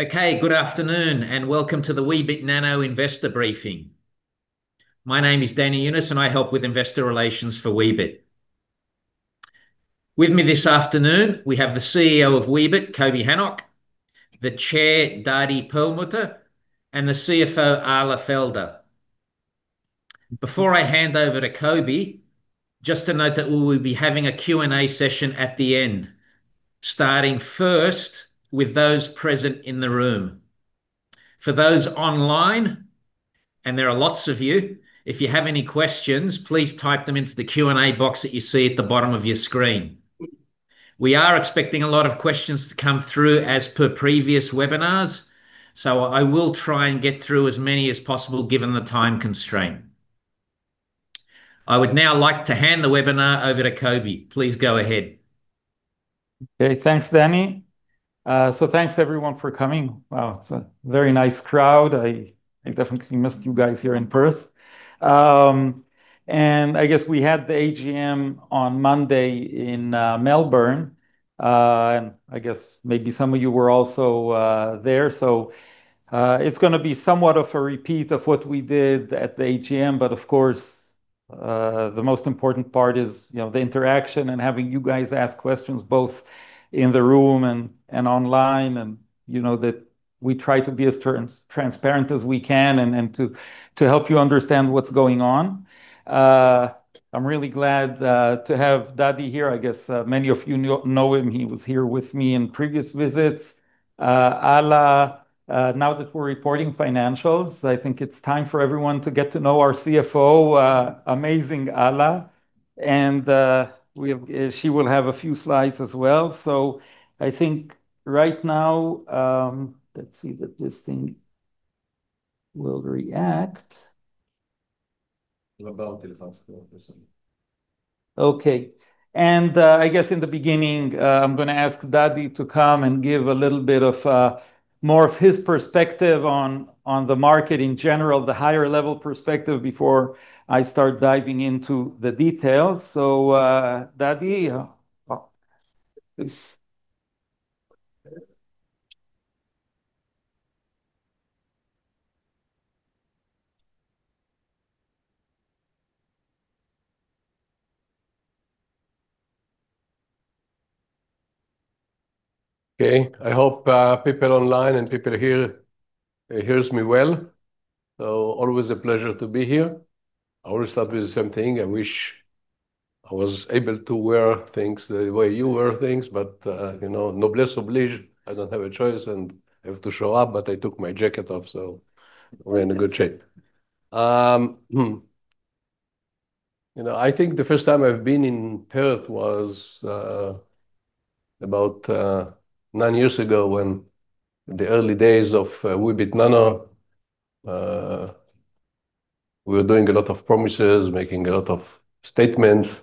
Okay, good afternoon, and welcome to the Weebit Nano investor briefing. My name is Danny Younis, and I help with investor relations for Weebit. With me this afternoon, we have the CEO of Weebit, Coby Hanoch, the Chair, Dadi Perlmutter, and the CFO, Alla Felder. Before I hand over to Coby, just to note that we will be having a Q&A session at the end, starting first with those present in the room. For those online, and there are lots of you, if you have any questions, please type them into the Q&A box that you see at the bottom of your screen. We are expecting a lot of questions to come through as per previous webinars, so I will try and get through as many as possible given the time constraint. I would now like to hand the webinar over to Coby. Please go ahead. Okay, thanks, Danny. Thanks, everyone, for coming. Wow, it's a very nice crowd. I definitely missed you guys here in Perth. I guess we had the AGM on Monday in Melbourne, and I guess maybe some of you were also there. It's going to be somewhat of a repeat of what we did at the AGM, but of course, the most important part is the interaction and having you guys ask questions both in the room and online, and we try to be as transparent as we can and to help you understand what's going on. I'm really glad to have Dadi here. I guess many of you know him. He was here with me in previous visits. Alla, now that we're reporting financials, I think it's time for everyone to get to know our CFO. Amazing, Alla. She will have a few slides as well. I think right now, let's see that this thing will react. Okay. I guess in the beginning, I'm going to ask Dadi to come and give a little bit more of her perspective on the market in general, the higher-level perspective before I start diving into the details. Dadi, please. Okay, I hope people online and people here hear me well. Always a pleasure to be here. I always start with the same thing. I wish I was able to wear things the way you wear things, but noblesse oblige, I don't have a choice, and I have to show up, but I took my jacket off, so we're in good shape. I think the first time I've been in Perth was about nine years ago when in the early days of Weebit Nano, we were doing a lot of promises, making a lot of statements,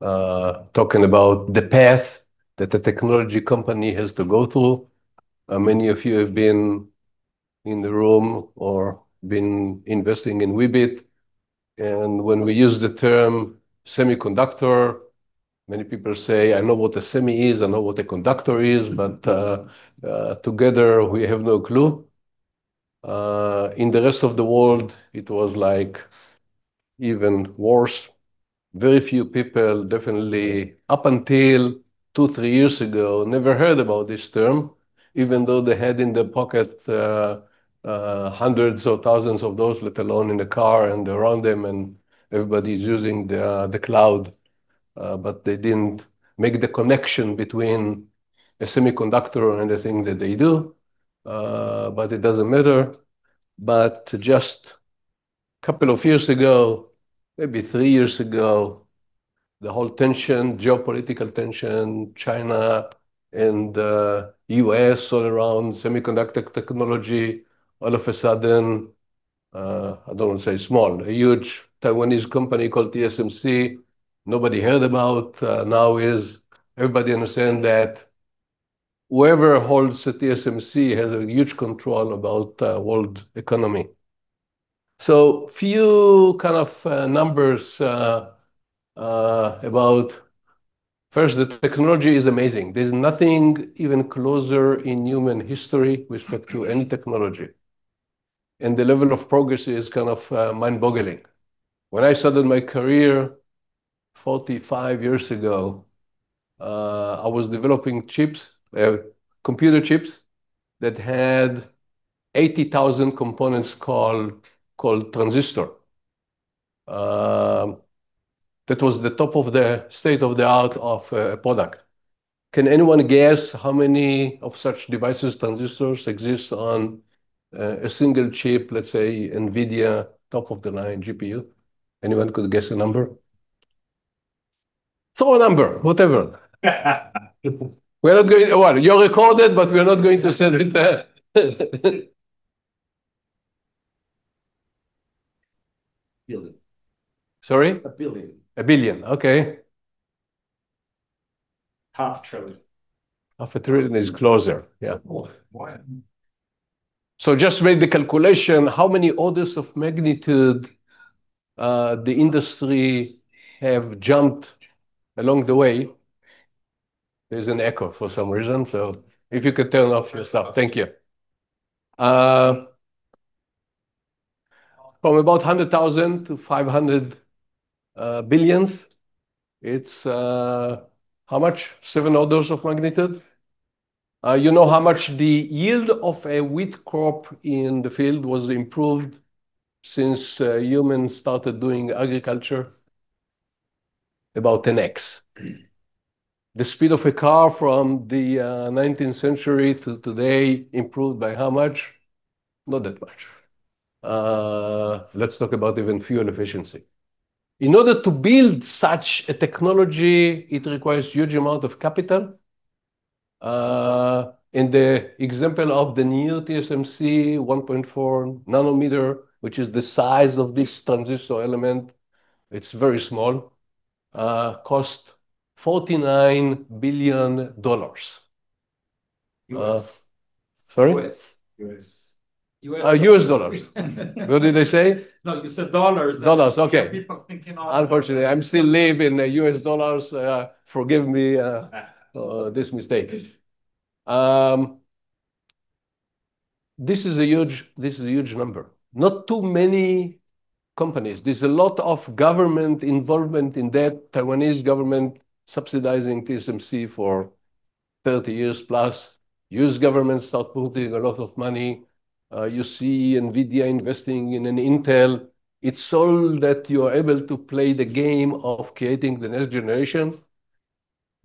talking about the path that a technology company has to go through. Many of you have been in the room or been investing in Weebit. When we use the term semiconductor, many people say, "I know what a semi is, I know what a conductor is, but together we have no clue." In the rest of the world, it was like even worse. Very few people, definitely up until two, three years ago, never heard about this term, even though they had in their pocket hundreds or thousands of those, let alone in a car and around them, and everybody's using the cloud. They didn't make the connection between a semiconductor and anything that they do, but it doesn't matter. Just a couple of years ago, maybe three years ago, the whole tension, geopolitical tension, China and the U.S. all around semiconductor technology, all of a sudden, I don't want to say small, a huge Taiwanese company called TSMC, nobody heard about, now everybody understands that whoever holds the TSMC has a huge control about the world economy. Few kind of numbers about first, the technology is amazing. There's nothing even closer in human history with respect to any technology. The level of progress is kind of mind-boggling. When I started my career 45 years ago, I was developing chips, computer chips that had 80,000 components called transistors. That was the top of the state of the art of a product. Can anyone guess how many of such devices, transistors, exist on a single chip, let's say NVIDIA top-of-the-line GPU? Anyone could guess a number? Throw a number, whatever. We're not going to, you're recorded, but we're not going to send it. Billion. Sorry? A billion. A billion, okay. Half a trillion. Half a trillion is closer, yeah. Just made the calculation, how many orders of magnitude the industry have jumped along the way? There is an echo for some reason, so if you could turn off your stuff, thank you. From about 100,000 to 500 billion, it is how much? Seven orders of magnitude. You know how much the yield of a wheat crop in the field was improved since humans started doing agriculture? About 10x. The speed of a car from the 19th century to today improved by how much? Not that much. Let's talk about even fuel efficiency. In order to build such a technology, it requires a huge amount of capital. In the example of the new TSMC 1.4 nm, which is the size of this transistor element, it is very small, cost 49 billion. U.S.? Sorry? U.S. U.S.? U.S. dollars. What did they say? No, you said dollars. Dollars, okay. Unfortunately, I'm still living in U.S. dollars. Forgive me this mistake. This is a huge number. Not too many companies. There's a lot of government involvement in that. Taiwanese government subsidizing TSMC for 30 years plus. U.S. government start putting a lot of money. You see NVIDIA investing in Intel. It's all that you are able to play the game of creating the next generation.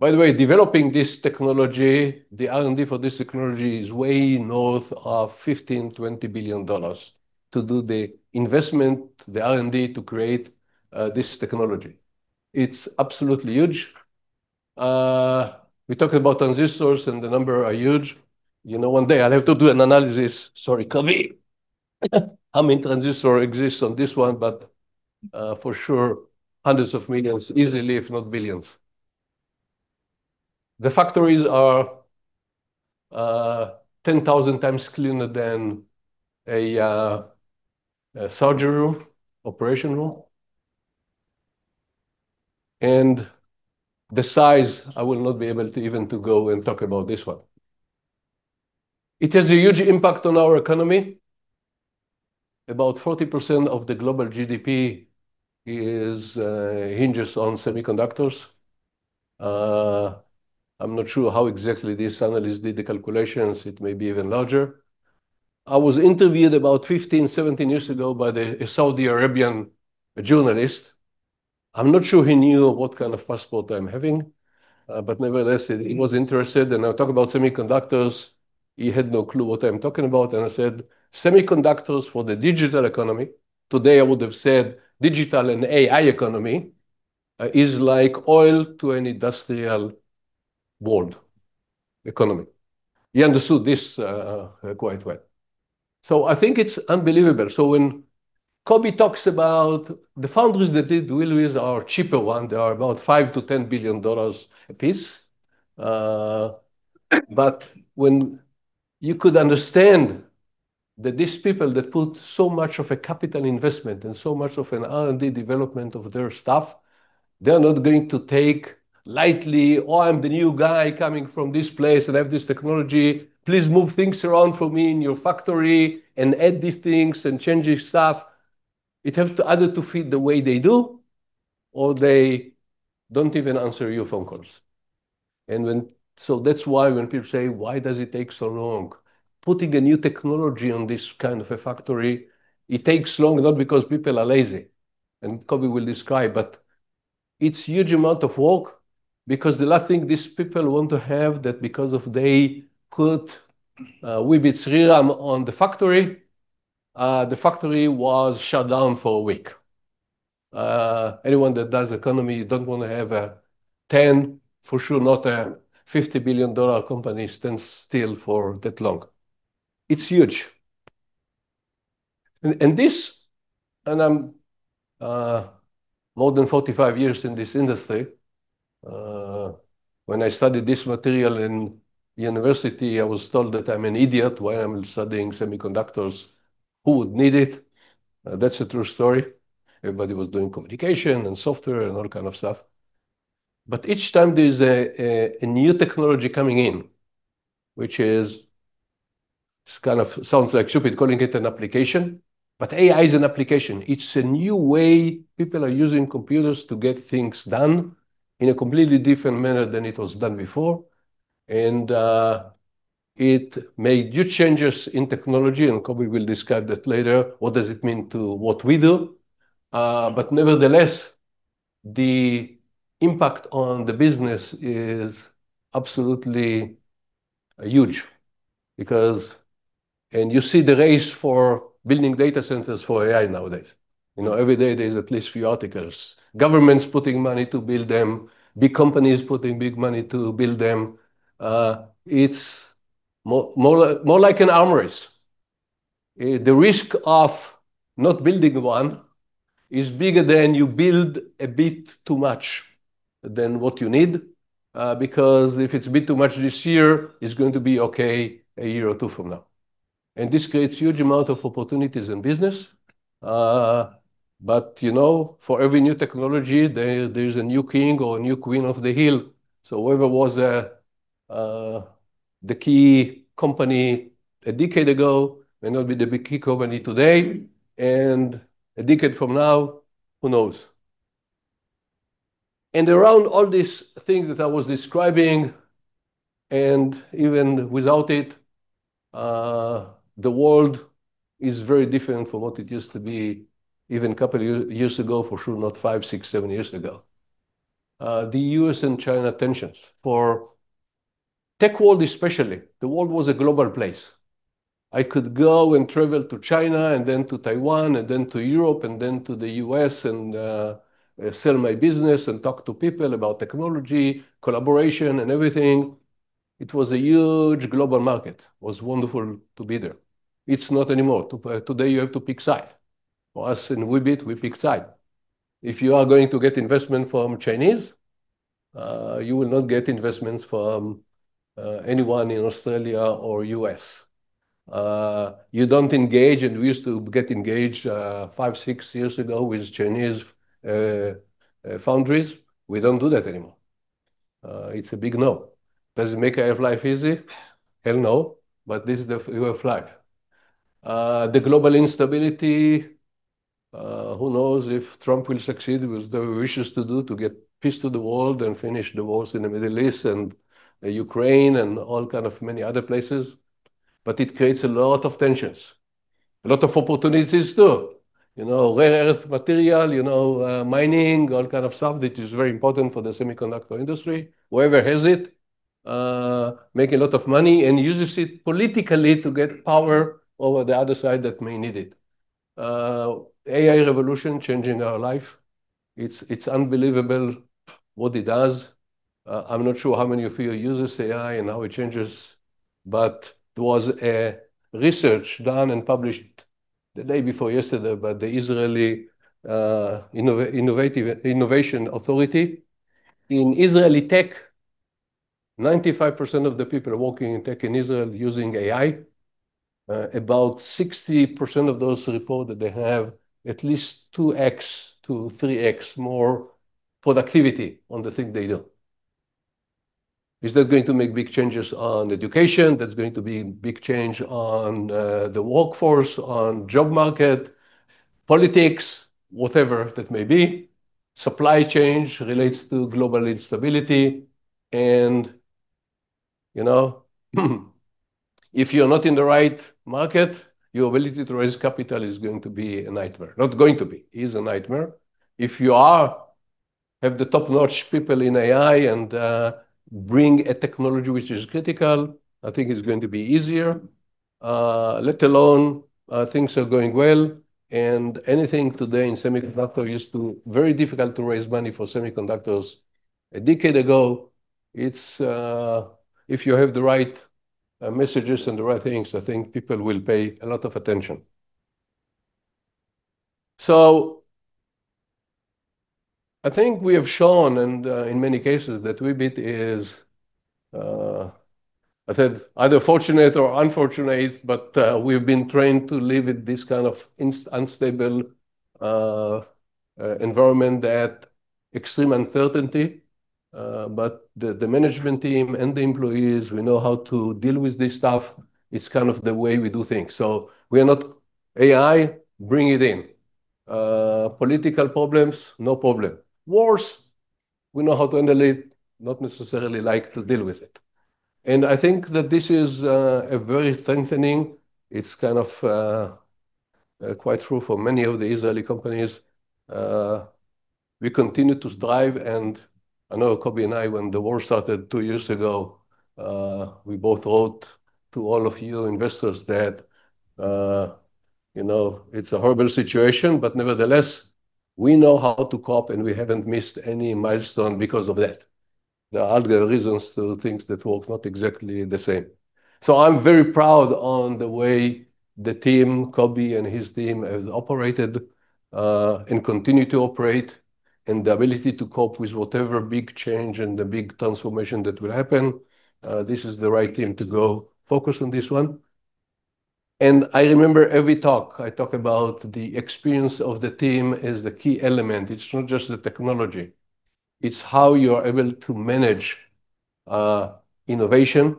By the way, developing this technology, the R&D for this technology is way north of 15 billion-20 billion dollars to do the investment, the R&D to create this technology. It's absolutely huge. We talked about transistors and the number are huge. One day I'll have to do an analysis. Sorry, Coby. How many transistors exist on this one, but for sure, hundreds of millions easily, if not billions. The factories are 10,000 times cleaner than a surgery room, operation room. The size, I will not be able to even go and talk about this one. It has a huge impact on our economy. About 40% of the global GDP hinges on semiconductors. I'm not sure how exactly this analyst did the calculations. It may be even larger. I was interviewed about 15, 17 years ago by the Saudi Arabian journalist. I'm not sure he knew what kind of passport I'm having, but nevertheless, he was interested. I talked about semiconductors. He had no clue what I'm talking about. I said, "Semiconductors for the digital economy." Today, I would have said digital and AI economy is like oil to an industrial world economy. He understood this quite well. I think it's unbelievable. When Coby talks about the foundries that did Willy's are cheaper one. They are about 5 billion-10 billion dollars apiece. When you could understand that these people that put so much of a capital investment and so much of an R&D development of their stuff, they're not going to take lightly, "Oh, I'm the new guy coming from this place and have this technology. Please move things around for me in your factory and add these things and change this stuff." It has to either to feed the way they do or they don't even answer your phone calls. That is why when people say, "Why does it take so long?" Putting a new technology on this kind of a factory, it takes long, not because people are lazy, and Coby will describe, but it's a huge amount of work because the last thing these people want to have that because they put Weebit's rhythm on the factory, the factory was shut down for a week. Anyone that does economy does not want to have a 10, for sure not a 50 billion dollar company stand still for that long. It is huge. This, and I am more than 45 years in this industry. When I studied this material in university, I was told that I am an idiot while I am studying semiconductors. Who would need it? That is a true story. Everybody was doing communication and software and all kinds of stuff. Each time there is a new technology coming in, which kind of sounds like stupid calling it an application, but AI is an application. It is a new way people are using computers to get things done in a completely different manner than it was done before. It made huge changes in technology, and Coby will describe that later, what does it mean to what we do. Nevertheless, the impact on the business is absolutely huge. You see the race for building data centers for AI nowadays. Every day there's at least a few articles. Governments putting money to build them, big companies putting big money to build them. It's more like an armory. The risk of not building one is bigger than if you build a bit too much than what you need. Because if it's a bit too much this year, it's going to be okay a year or two from now. This creates a huge amount of opportunities in business. For every new technology, there's a new king or a new queen of the hill. Whoever was the key company a decade ago may not be the big key company today. A decade from now, who knows? Around all these things that I was describing, and even without it, the world is very different from what it used to be even a couple of years ago, for sure not five, six, seven years ago. The U.S. and China tensions. For tech world especially, the world was a global place. I could go and travel to China and then to Taiwan and then to Europe and then to the U.S. and sell my business and talk to people about technology, collaboration, and everything. It was a huge global market. It was wonderful to be there. It's not anymore. Today you have to pick side. For us in Weebit, we pick side. If you are going to get investment from Chinese, you will not get investments from anyone in Australia or U.S. You don't engage, and we used to get engaged five, six years ago with Chinese foundries. We don't do that anymore. It's a big no. Does it make our life easy? Hell no, but this is the way of life. The global instability, who knows if Trump will succeed with the wishes to do to get peace to the world and finish the wars in the Middle East and Ukraine and all kinds of many other places. It creates a lot of tensions, a lot of opportunities too. Rare earth material, mining, all kinds of stuff that is very important for the semiconductor industry. Whoever has it, makes a lot of money and uses it politically to get power over the other side that may need it. AI revolution changing our life. It's unbelievable what it does. I'm not sure how many of you use AI and how it changes, but there was research done and published the day before yesterday by the Israeli Innovation Authority. In Israeli tech, 95% of the people working in tech in Israel using AI. About 60% of those report that they have at least 2x-3x more productivity on the thing they do. Is that going to make big changes on education? That's going to be a big change on the workforce, on the job market, politics, whatever that may be. Supply change relates to global instability. If you're not in the right market, your ability to raise capital is going to be a nightmare. Not going to be, is a nightmare. If you have the top-notch people in AI and bring a technology which is critical, I think it's going to be easier, let alone things are going well. Anything today in semiconductor used to be very difficult to raise money for semiconductors a decade ago. If you have the right messages and the right things, I think people will pay a lot of attention. I think we have shown, and in many cases, that Weebit is, I said, either fortunate or unfortunate, but we've been trained to live in this kind of unstable environment at extreme uncertainty. The management team and the employees, we know how to deal with this stuff. It's kind of the way we do things. We are not AI, bring it in. Political problems, no problem. Wars? We know how to handle it, not necessarily like to deal with it. I think that this is very strengthening. It's kind of quite true for many of the Israeli companies. We continue to strive. I know Coby and I, when the war started two years ago, we both wrote to all of you investors that it's a horrible situation, but nevertheless, we know how to cope, and we haven't missed any milestone because of that. There are other reasons to things that work not exactly the same. I am very proud of the way the team, Coby and his team, have operated and continue to operate. The ability to cope with whatever big change and the big transformation that will happen, this is the right team to go focus on this one. I remember every talk. I talk about the experience of the team as the key element. It's not just the technology. It's how you are able to manage innovation.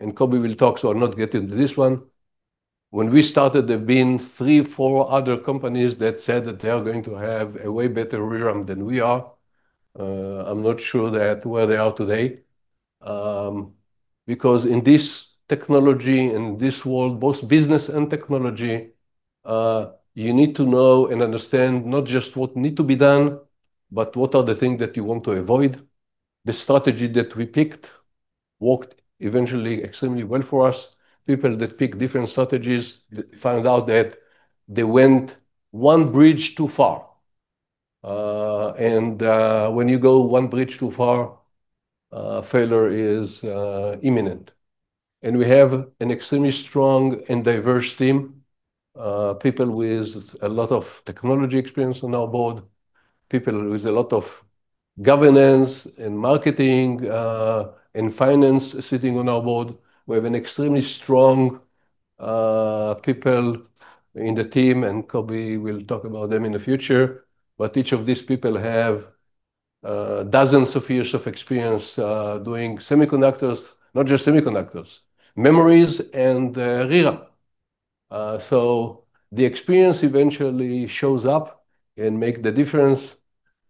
Coby will talk, so I'm not getting into this one. When we started, there have been three, four other companies that said that they are going to have a way better rhythm than we are. I'm not sure where they are today. Because in this technology and this world, both business and technology, you need to know and understand not just what needs to be done, but what are the things that you want to avoid. The strategy that we picked worked eventually extremely well for us. People that picked different strategies found out that they went one bridge too far. When you go one bridge too far, failure is imminent. We have an extremely strong and diverse team, people with a lot of technology experience on our board, people with a lot of governance and marketing and finance sitting on our board. We have extremely strong people in the team, and Coby will talk about them in the future. Each of these people have dozens of years of experience doing semiconductors, not just semiconductors, memories and ReRAM. The experience eventually shows up and makes the difference.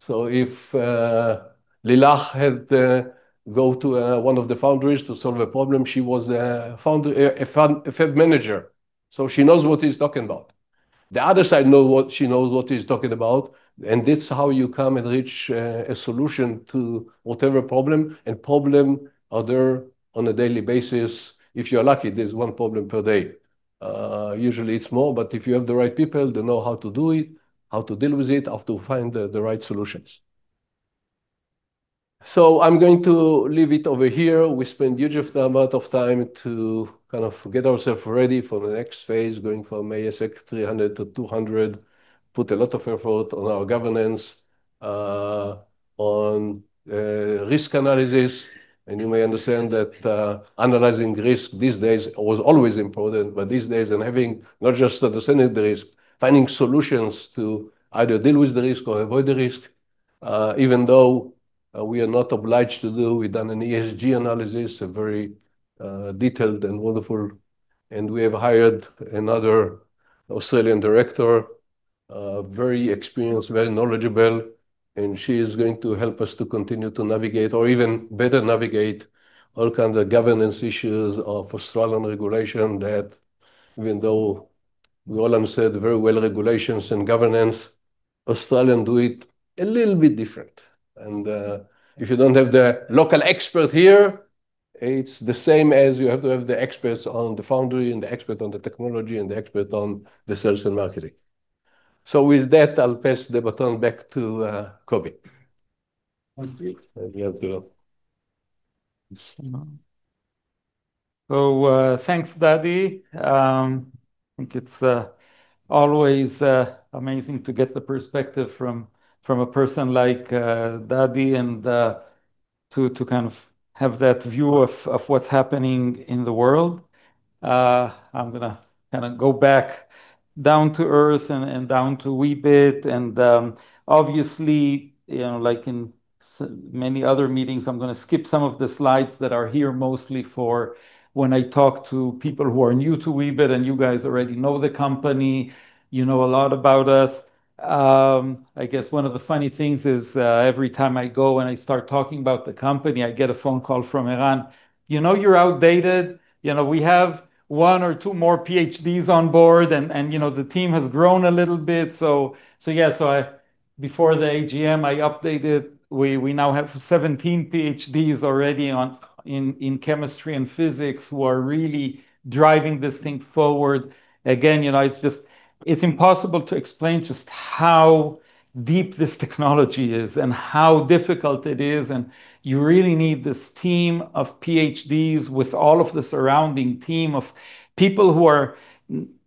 If Lilach had to go to one of the foundries to solve a problem, she was a fab manager. She knows what she's talking about. The other side knows she knows what she's talking about. That's how you come and reach a solution to whatever problem and problem there on a daily basis. If you're lucky, there's one problem per day. Usually, it's more, but if you have the right people, they know how to do it, how to deal with it, how to find the right solutions. I'm going to leave it over here. We spent a huge amount of time to kind of get ourselves ready for the next phase, going from ASX 300 to 200, put a lot of effort on our governance, on risk analysis. You may understand that analyzing risk was always important, but these days, having not just understanding the risk, finding solutions to either deal with the risk or avoid the risk, even though we are not obliged to do, we've done an ESG analysis, a very detailed and wonderful. We have hired another Australian director, very experienced, very knowledgeable, and she is going to help us to continue to navigate or even better navigate all kinds of governance issues of Australian regulation that, even though we all understand very well regulations and governance, Australians do it a little bit different. If you do not have the local expert here, it is the same as you have to have the experts on the foundry and the expert on the technology and the expert on the sales and marketing. With that, I will pass the baton back to Coby. Thank you. Thanks, Dadi. I think it is always amazing to get the perspective from a person like Dadi and to kind of have that view of what is happening in the world. I am going to kind of go back down to Earth and down to Weebit. Obviously, like in many other meetings, I'm going to skip some of the slides that are here mostly for when I talk to people who are new to Weebit and you guys already know the company, you know a lot about us. I guess one of the funny things is every time I go and I start talking about the company, I get a phone call from Ilan. You know you're outdated. We have one or two more PhDs on board and the team has grown a little bit. Yeah, before the AGM, I updated. We now have 17 PhDs already in chemistry and physics who are really driving this thing forward. Again, it's impossible to explain just how deep this technology is and how difficult it is. You really need this team of PhDs with all of the surrounding team of people who are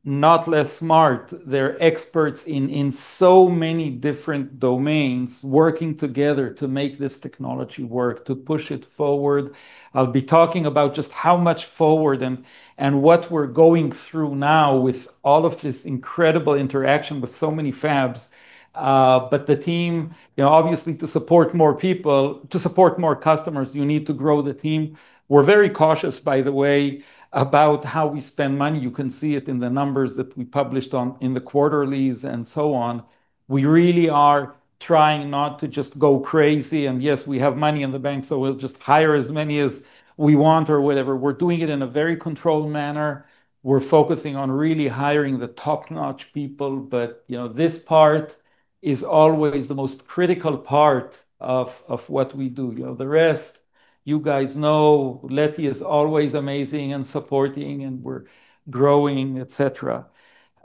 not less smart. They are experts in so many different domains working together to make this technology work, to push it forward. I will be talking about just how much forward and what we are going through now with all of this incredible interaction with so many fabs. The team, obviously, to support more people, to support more customers, you need to grow the team. We are very cautious, by the way, about how we spend money. You can see it in the numbers that we published in the quarterlies and so on. We really are trying not to just go crazy. Yes, we have money in the bank, so we will just hire as many as we want or whatever. We are doing it in a very controlled manner. We're focusing on really hiring the top-notch people, but this part is always the most critical part of what we do. The rest, you guys know, Leti is always amazing and supporting and we're growing, etc.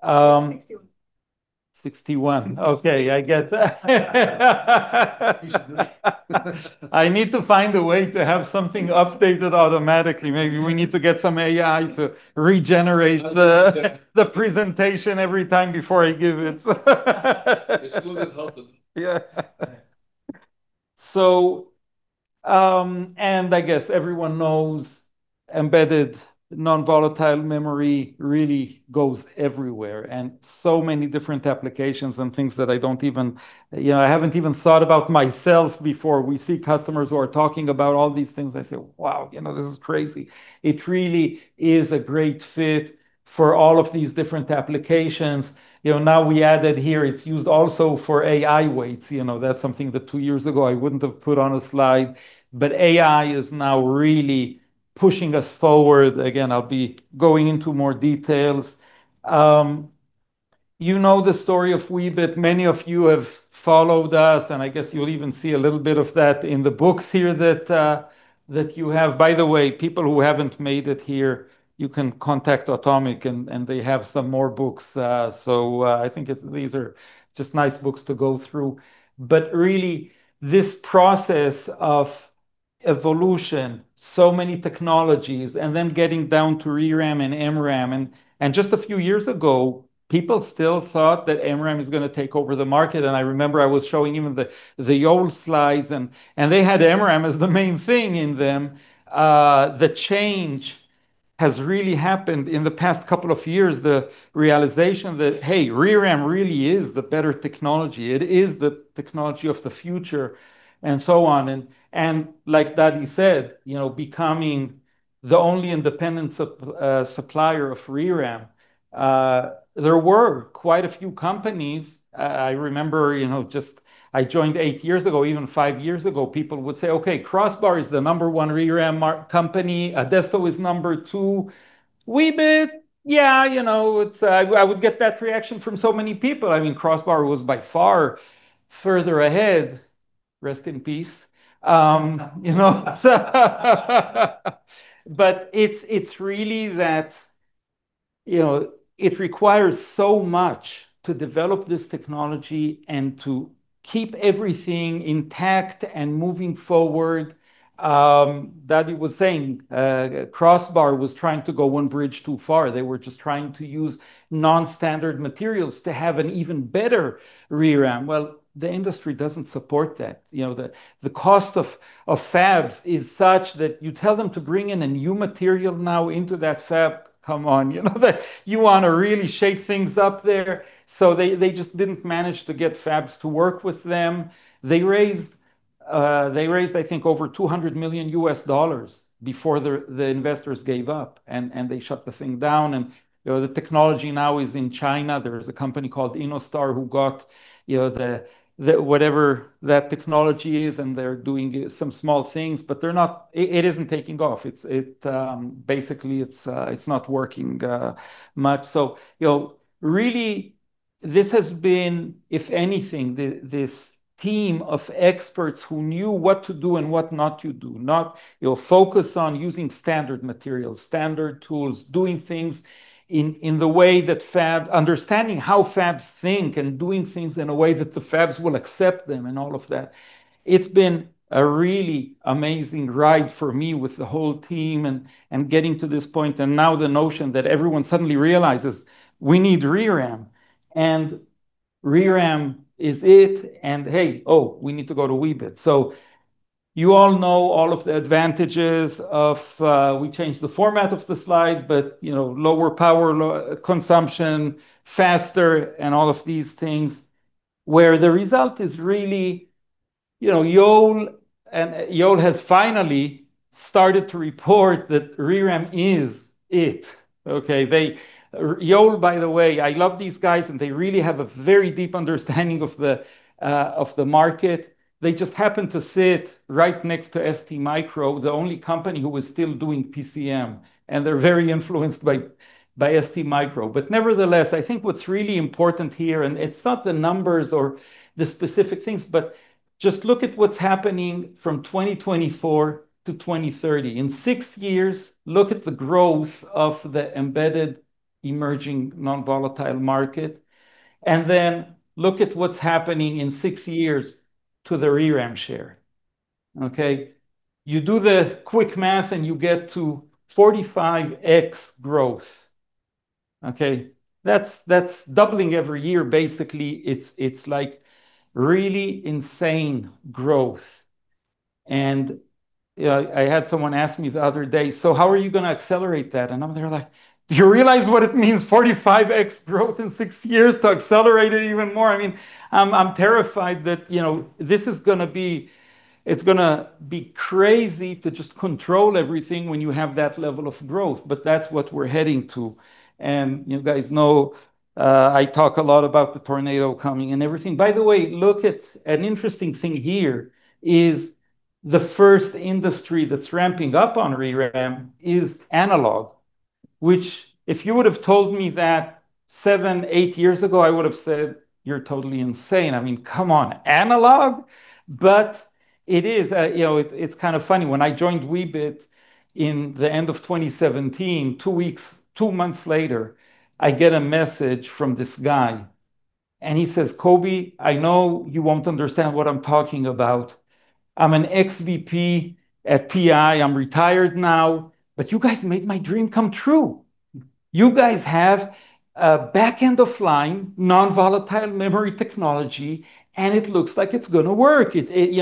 Sixty-one. Sixty-one. Okay, I get that. I need to find a way to have something updated automatically. Maybe we need to get some AI to regenerate the presentation every time before I give it. [Excluded Halten]. Yeah. I guess everyone knows embedded non-volatile memory really goes everywhere and so many different applications and things that I don't even, I haven't even thought about myself before. We see customers who are talking about all these things. I say, wow, this is crazy. It really is a great fit for all of these different applications. Now we added here, it's used also for AI weights. That's something that two years ago I wouldn't have put on a slide. AI is now really pushing us forward. Again, I'll be going into more details. You know the story of Weebit. Many of you have followed us, and I guess you'll even see a little bit of that in the books here that you have. By the way, people who haven't made it here, you can contact Atomic and they have some more books. I think these are just nice books to go through. This process of evolution, so many technologies, and then getting down to ReRAM and MRAM. Just a few years ago, people still thought that MRAM is going to take over the market. I remember I was showing even the old slides, and they had MRAM as the main thing in them. The change has really happened in the past couple of years, the realization that, hey, ReRAM really is the better technology. It is the technology of the future and so on. Like Dadi said, becoming the only independent supplier of ReRAM, there were quite a few companies. I remember just I joined eight years ago, even five years ago, people would say, okay, Crossbar is the number one ReRAM company. Adesto is number two. Weebit, yeah, I would get that reaction from so many people. I mean, Crossbar was by far further ahead. Rest in peace. It is really that it requires so much to develop this technology and to keep everything intact and moving forward. Dadi was saying Crossbar was trying to go one bridge too far. They were just trying to use non-standard materials to have an even better ReRAM. The industry does not support that. The cost of fabs is such that you tell them to bring in a new material now into that fab, come on. You want to really shake things up there. They just didn't manage to get fabs to work with them. They raised, I think, over AUD 200 million before the investors gave up, and they shut the thing down. The technology now is in China. There's a company called InnoStar who got whatever that technology is, and they're doing some small things, but it isn't taking off. Basically, it's not working much. Really, this has been, if anything, this team of experts who knew what to do and what not to do, not focus on using standard materials, standard tools, doing things in the way that fab, understanding how fabs think and doing things in a way that the fabs will accept them and all of that. It's been a really amazing ride for me with the whole team and getting to this point. Now the notion that everyone suddenly realizes we need ReRAM and ReRAM is it. Hey, oh, we need to go to Weebit. You all know all of the advantages of we changed the format of the slide, but lower power consumption, faster, and all of these things, where the result is really Yole, and Yole has finally started to report that ReRAM is it. Okay, Yole, by the way, I love these guys, and they really have a very deep understanding of the market. They just happen to sit right next to STMicro, the only company who is still doing PCM, and they're very influenced by STMicro. Nevertheless, I think what's really important here, and it's not the numbers or the specific things, but just look at what's happening from 2024 to 2030. In six years, look at the growth of the embedded emerging non-volatile market. Then look at what's happening in six years to the ReRAM share. Okay, you do the quick math and you get to 45x growth. That's doubling every year. Basically, it's like really insane growth. I had someone ask me the other day, so how are you going to accelerate that? I'm like, do you realize what it means, 45x growth in six years, to accelerate it even more? I mean, I'm terrified that this is going to be, it's going to be crazy to just control everything when you have that level of growth, but that's what we're heading to. You guys know I talk a lot about the tornado coming and everything. By the way, look at an interesting thing here. The first industry that's ramping up on ReRAM is analog, which if you would have told me that seven, eight years ago, I would have said you're totally insane. I mean, come on, analog? But it is, it's kind of funny. When I joined Weebit in the end of 2017, two months later, I get a message from this guy, and he says, Coby, I know you won't understand what I'm talking about. I'm an ex-VP at TI. I'm retired now, but you guys made my dream come true. You guys have a back-end of line non-volatile memory technology, and it looks like it's going to work.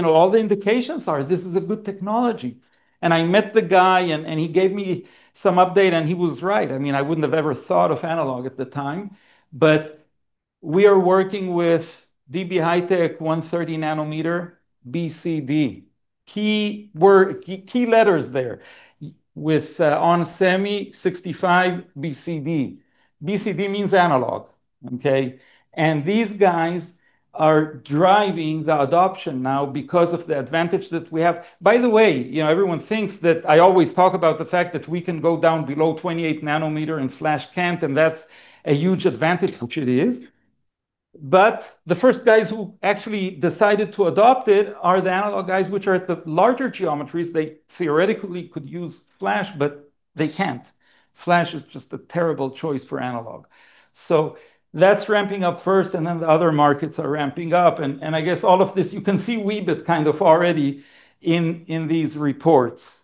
All the indications are this is a good technology. I met the guy, and he gave me some update, and he was right. I mean, I wouldn't have ever thought of analog at the time, but we are working with DB HiTek 130 nm BCD. Key letters there with onsemi 65 BCD. BCD means analog. Okay, and these guys are driving the adoption now because of the advantage that we have. By the way, everyone thinks that I always talk about the fact that we can go down below 28 nm in flash can't, and that's a huge advantage, which it is. The first guys who actually decided to adopt it are the analog guys, which are at the larger geometries. They theoretically could use flash, but they can't. Flash is just a terrible choice for analog. That is ramping up first, and then the other markets are ramping up. I guess all of this, you can see Weebit kind of already in these reports.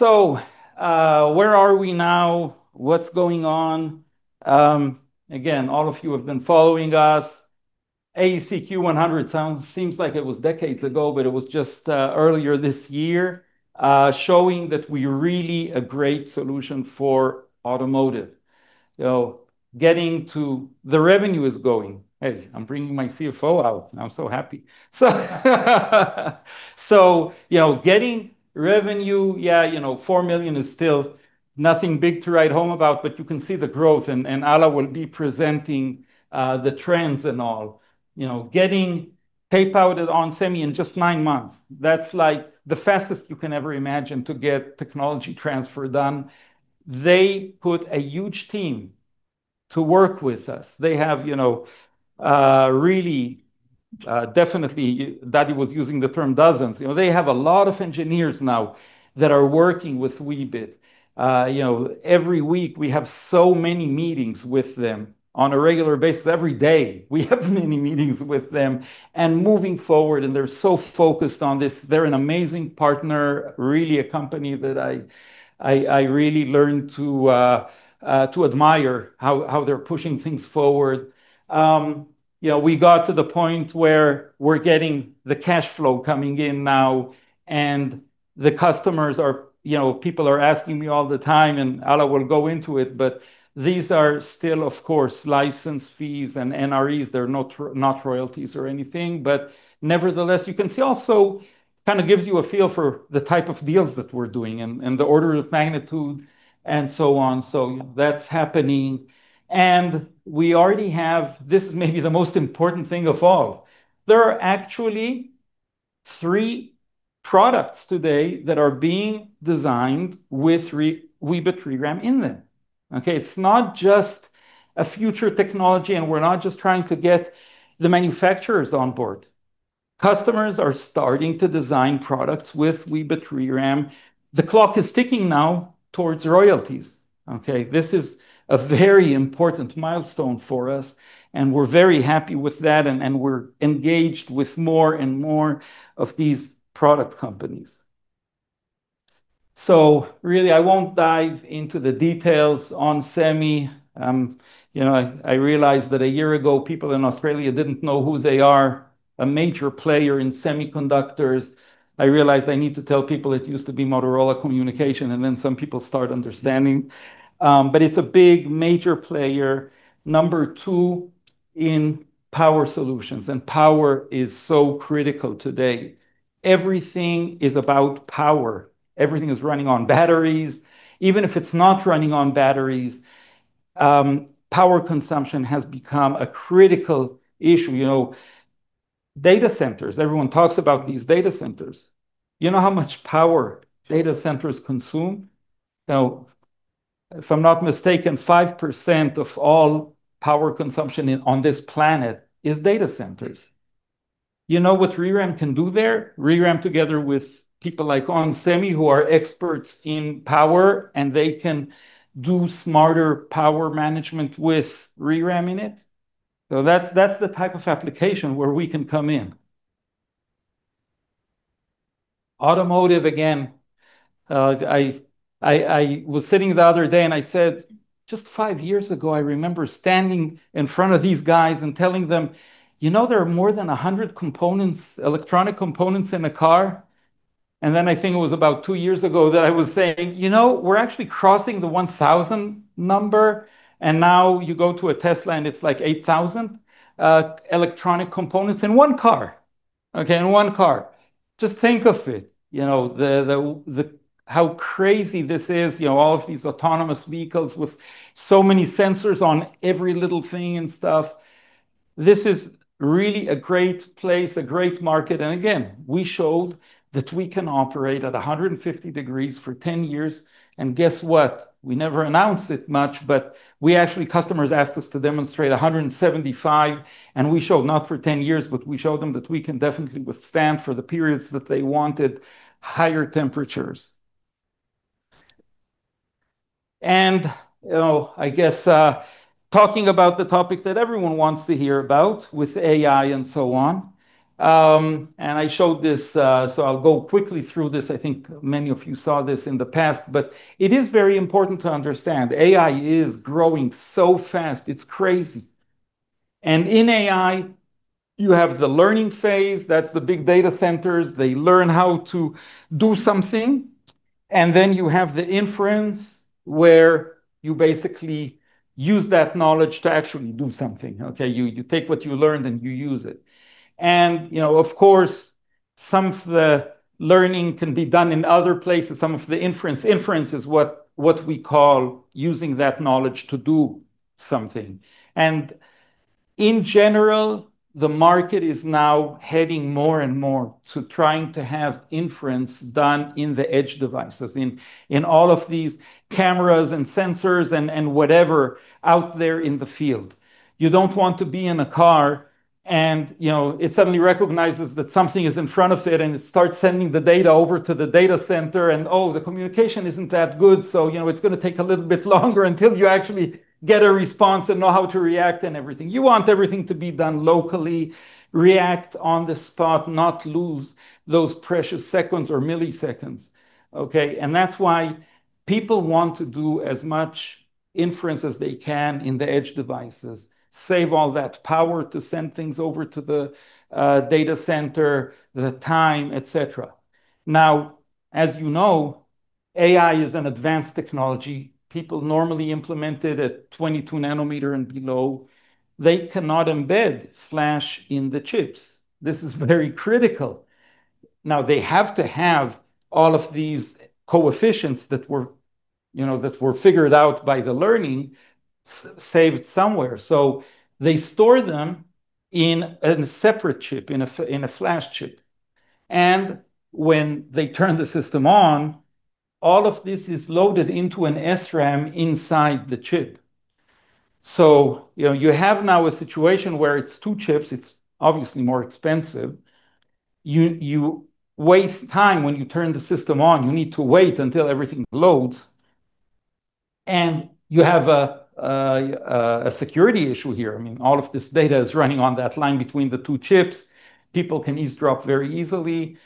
Where are we now? What's going on? Again, all of you have been following us. AEC-Q100 seems like it was decades ago, but it was just earlier this year showing that we really are a great solution for automotive. Getting to the revenue is going. Hey, I'm bringing my CFO out. I'm so happy. Getting revenue, yeah, 4 million is still nothing big to write home about, but you can see the growth, and Alla will be presenting the trends and all. Getting tape out onsemi in just nine months, that's like the fastest you can ever imagine to get technology transfer done. They put a huge team to work with us. They have really definitely, Dadi was using the term dozens. They have a lot of engineers now that are working with Weebit. Every week, we have so many meetings with them on a regular basis. Every day, we have many meetings with them. Moving forward, they're so focused on this. They're an amazing partner, really a company that I really learned to admire how they're pushing things forward. We got to the point where we're getting the cash flow coming in now, and the customers are, people are asking me all the time, and Alla will go into it, but these are still, of course, license fees and NREs. They're not royalties or anything, nevertheless, you can see also kind of gives you a feel for the type of deals that we're doing and the order of magnitude and so on. That is happening. We already have, this is maybe the most important thing of all. There are actually three products today that are being designed with Weebit ReRAM in them. Okay, it's not just a future technology, and we're not just trying to get the manufacturers on board. Customers are starting to design products with Weebit ReRAM. The clock is ticking now towards royalties. Okay, this is a very important milestone for us, and we're very happy with that, and we're engaged with more and more of these product companies. Really, I won't dive into the details onsemi. I realized that a year ago, people in Australia didn't know who they are, a major player in semiconductors. I realized I need to tell people it used to be Motorola Communication, and then some people start understanding. It is a big major player, number two in power solutions, and power is so critical today. Everything is about power. Everything is running on batteries. Even if it's not running on batteries, power consumption has become a critical issue. Data centers, everyone talks about these data centers. You know how much power data centers consume? Now, if I'm not mistaken, 5% of all power consumption on this planet is data centers. You know what ReRAM can do there? ReRAM together with people like onsemi, who are experts in power, and they can do smarter power management with ReRAM in it. That is the type of application where we can come in. Automotive, again, I was sitting the other day and I said, just five years ago, I remember standing in front of these guys and telling them, you know, there are more than 100 electronic components in a car. I think it was about two years ago that I was saying, you know, we are actually crossing the 1,000 number, and now you go to a Tesla and it is like 8,000 electronic components in one car. Okay, in one car. Just think of it, you know, how crazy this is, you know, all of these autonomous vehicles with so many sensors on every little thing and stuff. This is really a great place, a great market. Again, we showed that we can operate at 150 degrees Celsius for 10 years. Guess what? We never announced it much, but actually, customers asked us to demonstrate 175 degrees Celsius, and we showed not for 10 years, but we showed them that we can definitely withstand for the periods that they wanted higher temperatures. I guess talking about the topic that everyone wants to hear about with AI and so on. I showed this, so I'll go quickly through this. I think many of you saw this in the past, but it is very important to understand AI is growing so fast. It's crazy. In AI, you have the learning phase. That's the big data centers. They learn how to do something. You have the inference where you basically use that knowledge to actually do something. You take what you learned and you use it. Of course, some of the learning can be done in other places. Some of the inference, inference is what we call using that knowledge to do something. In general, the market is now heading more and more to trying to have inference done in the edge devices, in all of these cameras and sensors and whatever out there in the field. You do not want to be in a car and it suddenly recognizes that something is in front of it and it starts sending the data over to the data center and, oh, the communication is not that good. It is going to take a little bit longer until you actually get a response and know how to react and everything. You want everything to be done locally, react on the spot, not lose those precious seconds or milliseconds. Okay, and that's why people want to do as much inference as they can in the edge devices, save all that power to send things over to the data center, the time, etc. Now, as you know, AI is an advanced technology. People normally implement it at 22 nm and below. They cannot embed flash in the chips. This is very critical. Now, they have to have all of these coefficients that were figured out by the learning saved somewhere. So they store them in a separate chip, in a flash chip. And when they turn the system on, all of this is loaded into an SRAM inside the chip. So you have now a situation where it's two chips. It's obviously more expensive. You waste time when you turn the system on. You need to wait until everything loads. I mean, all of this data is running on that line between the two chips. People can eavesdrop very easily.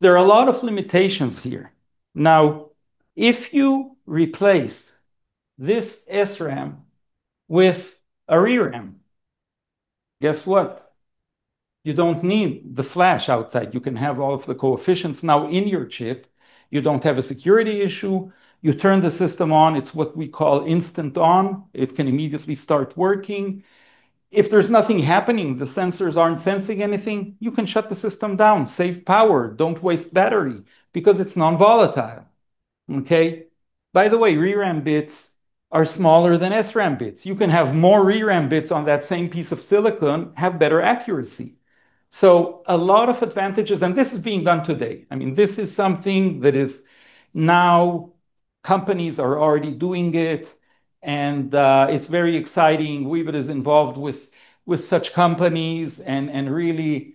There are a lot of limitations here. Now, if you replace this SRAM with a ReRAM, guess what? You do not need the flash outside. You can have all of the coefficients now in your chip. You do not have a security issue. You turn the system on. It is what we call instant on. It can immediately start working. If there is nothing happening, the sensors are not sensing anything, you can shut the system down, save power, do not waste battery because it is non-volatile. Okay, by the way, ReRAM bits are smaller than SRAM bits. You can have more ReRAM bits on that same piece of silicon, have better accuracy. A lot of advantages, and this is being done today. I mean, this is something that is now companies are already doing it. It is very exciting. Weebit is involved with such companies and really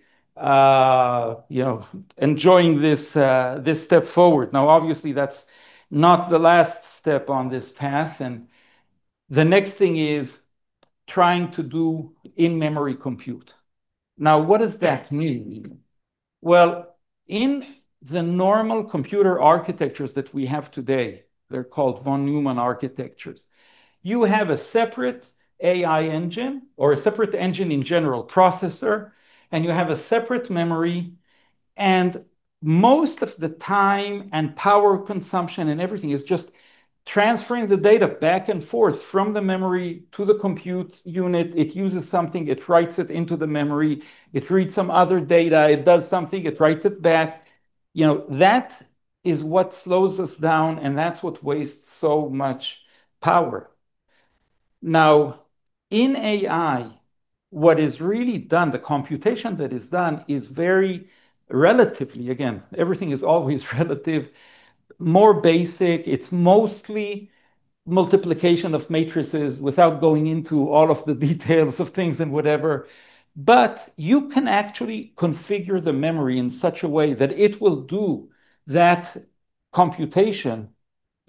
enjoying this step forward. Obviously, that's not the last step on this path. The next thing is trying to do in-memory compute. Now, what does that mean? In the normal computer architectures that we have today, they're called Von Neumann architectures. You have a separate AI engine or a separate engine in general, processor, and you have a separate memory. Most of the time and power consumption and everything is just transferring the data back and forth from the memory to the compute unit. It uses something, it writes it into the memory, it reads some other data, it does something, it writes it back. That is what slows us down, and that's what wastes so much power. Now, in AI, what is really done, the computation that is done is very relatively, again, everything is always relative, more basic. It's mostly multiplication of matrices without going into all of the details of things and whatever. You can actually configure the memory in such a way that it will do that computation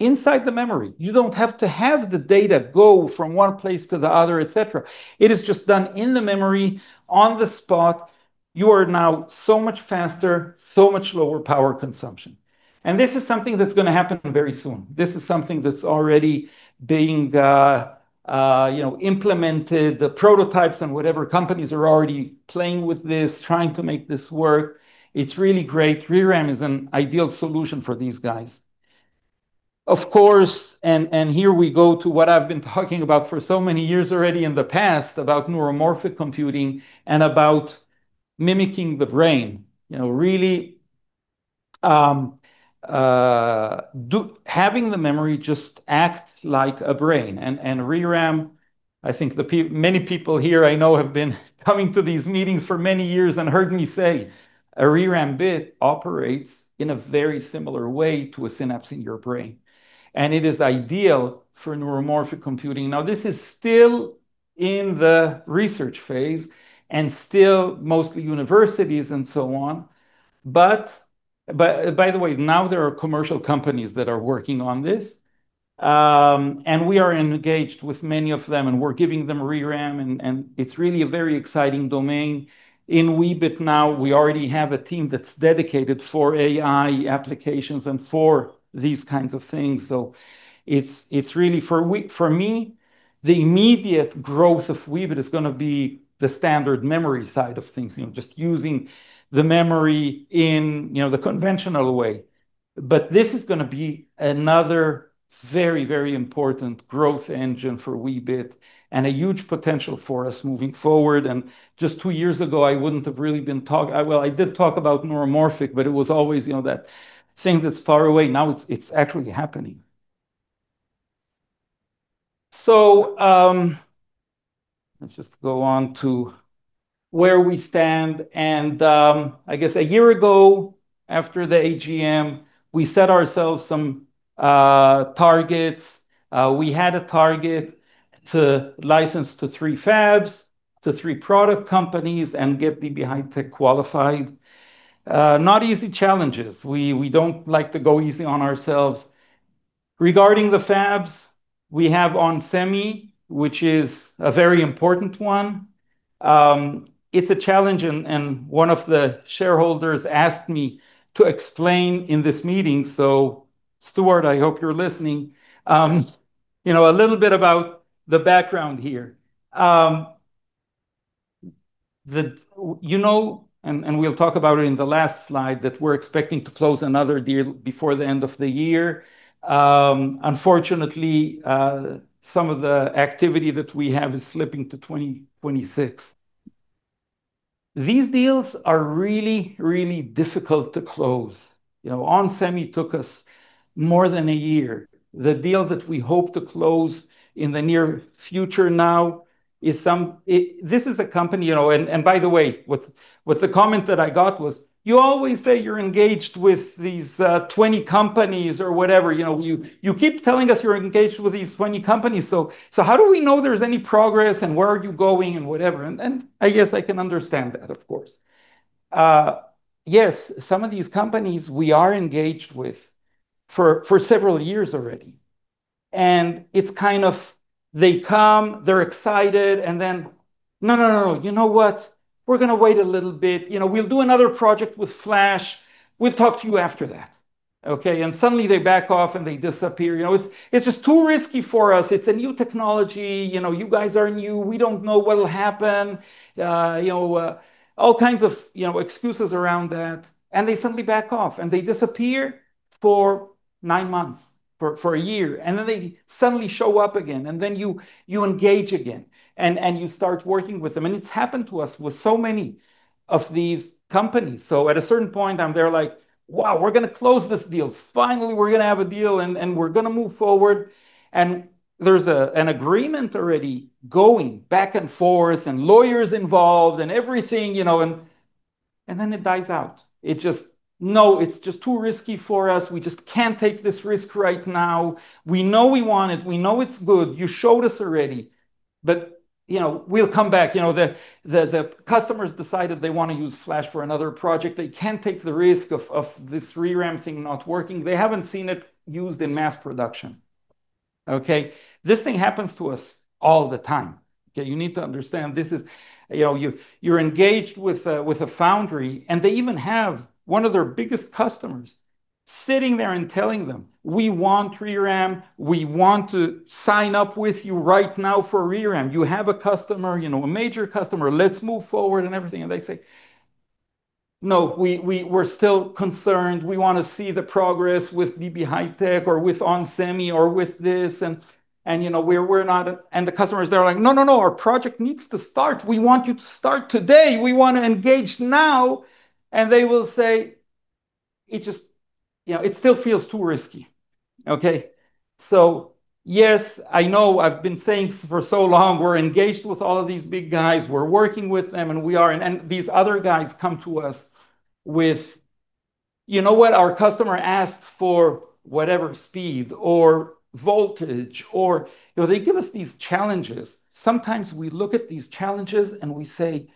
inside the memory. You don't have to have the data go from one place to the other, etc. It is just done in the memory on the spot. You are now so much faster, so much lower power consumption. This is something that's going to happen very soon. This is something that's already being implemented. The prototypes and whatever companies are already playing with this, trying to make this work. It's really great. ReRAM is an ideal solution for these guys. Of course, and here we go to what I've been talking about for so many years already in the past about neuromorphic computing and about mimicking the brain. Really having the memory just act like a brain. And ReRAM, I think many people here I know have been coming to these meetings for many years and heard me say a ReRAM bit operates in a very similar way to a synapse in your brain. And it is ideal for neuromorphic computing. Now, this is still in the research phase and still mostly universities and so on. By the way, now there are commercial companies that are working on this. We are engaged with many of them, and we're giving them ReRAM, and it's really a very exciting domain in Weebit now. We already have a team that's dedicated for AI applications and for these kinds of things. It is really for me, the immediate growth of Weebit is going to be the standard memory side of things, just using the memory in the conventional way. This is going to be another very, very important growth engine for Weebit and a huge potential for us moving forward. Just two years ago, I would not have really been talking, well, I did talk about neuromorphic, but it was always that thing that is far away. Now it is actually happening. Let us just go on to where we stand. I guess a year ago after the AGM, we set ourselves some targets. We had a target to license to three fabs, to three product companies and get the DB HiTek qualified. Not easy challenges. We do not like to go easy on ourselves. Regarding the fabs, we have onsemi, which is a very important one. It's a challenge, and one of the shareholders asked me to explain in this meeting. Stuart, I hope you're listening. A little bit about the background here. You know, and we'll talk about it in the last slide, that we're expecting to close another deal before the end of the year. Unfortunately, some of the activity that we have is slipping to 2026. These deals are really, really difficult to close. onsemi took us more than a year. The deal that we hope to close in the near future now is some, this is a company, and by the way, what the comment that I got was, you always say you're engaged with these 20 companies or whatever. You keep telling us you're engaged with these 20 companies. How do we know there's any progress and where are you going and whatever? I guess I can understand that, of course. Yes, some of these companies we are engaged with for several years already. It is kind of, they come, they are excited, and then, no, no, no, no, you know what? We are going to wait a little bit. We will do another project with Flash. We will talk to you after that. Okay? Suddenly they back off and they disappear. It is just too risky for us. It is a new technology. You guys are new. We do not know what will happen. All kinds of excuses around that. They suddenly back off and they disappear for nine months, for a year. Then they suddenly show up again. You engage again and you start working with them. It has happened to us with so many of these companies. At a certain point, I'm there like, wow, we're going to close this deal. Finally, we're going to have a deal and we're going to move forward. There's an agreement already going back and forth and lawyers involved and everything. Then it dies out. It just, no, it's just too risky for us. We just can't take this risk right now. We know we want it. We know it's good. You showed us already. We'll come back. The customers decided they want to use Flash for another project. They can't take the risk of this ReRAM thing not working. They haven't seen it used in mass production. This thing happens to us all the time. You need to understand this is, you're engaged with a foundry and they even have one of their biggest customers sitting there and telling them, we want ReRAM. We want to sign up with you right now for ReRAM. You have a customer, a major customer. Let's move forward and everything. They say, no, we're still concerned. We want to see the progress with DB HiTek or with onsemi or with this. We're not, and the customers are like, no, no, no, our project needs to start. We want you to start today. We want to engage now. They will say, it just, it still feels too risky. Okay? Yes, I know I've been saying for so long, we're engaged with all of these big guys. We're working with them and we are, and these other guys come to us with, you know what, our customer asked for whatever speed or voltage or they give us these challenges. Sometimes we look at these challenges and we say,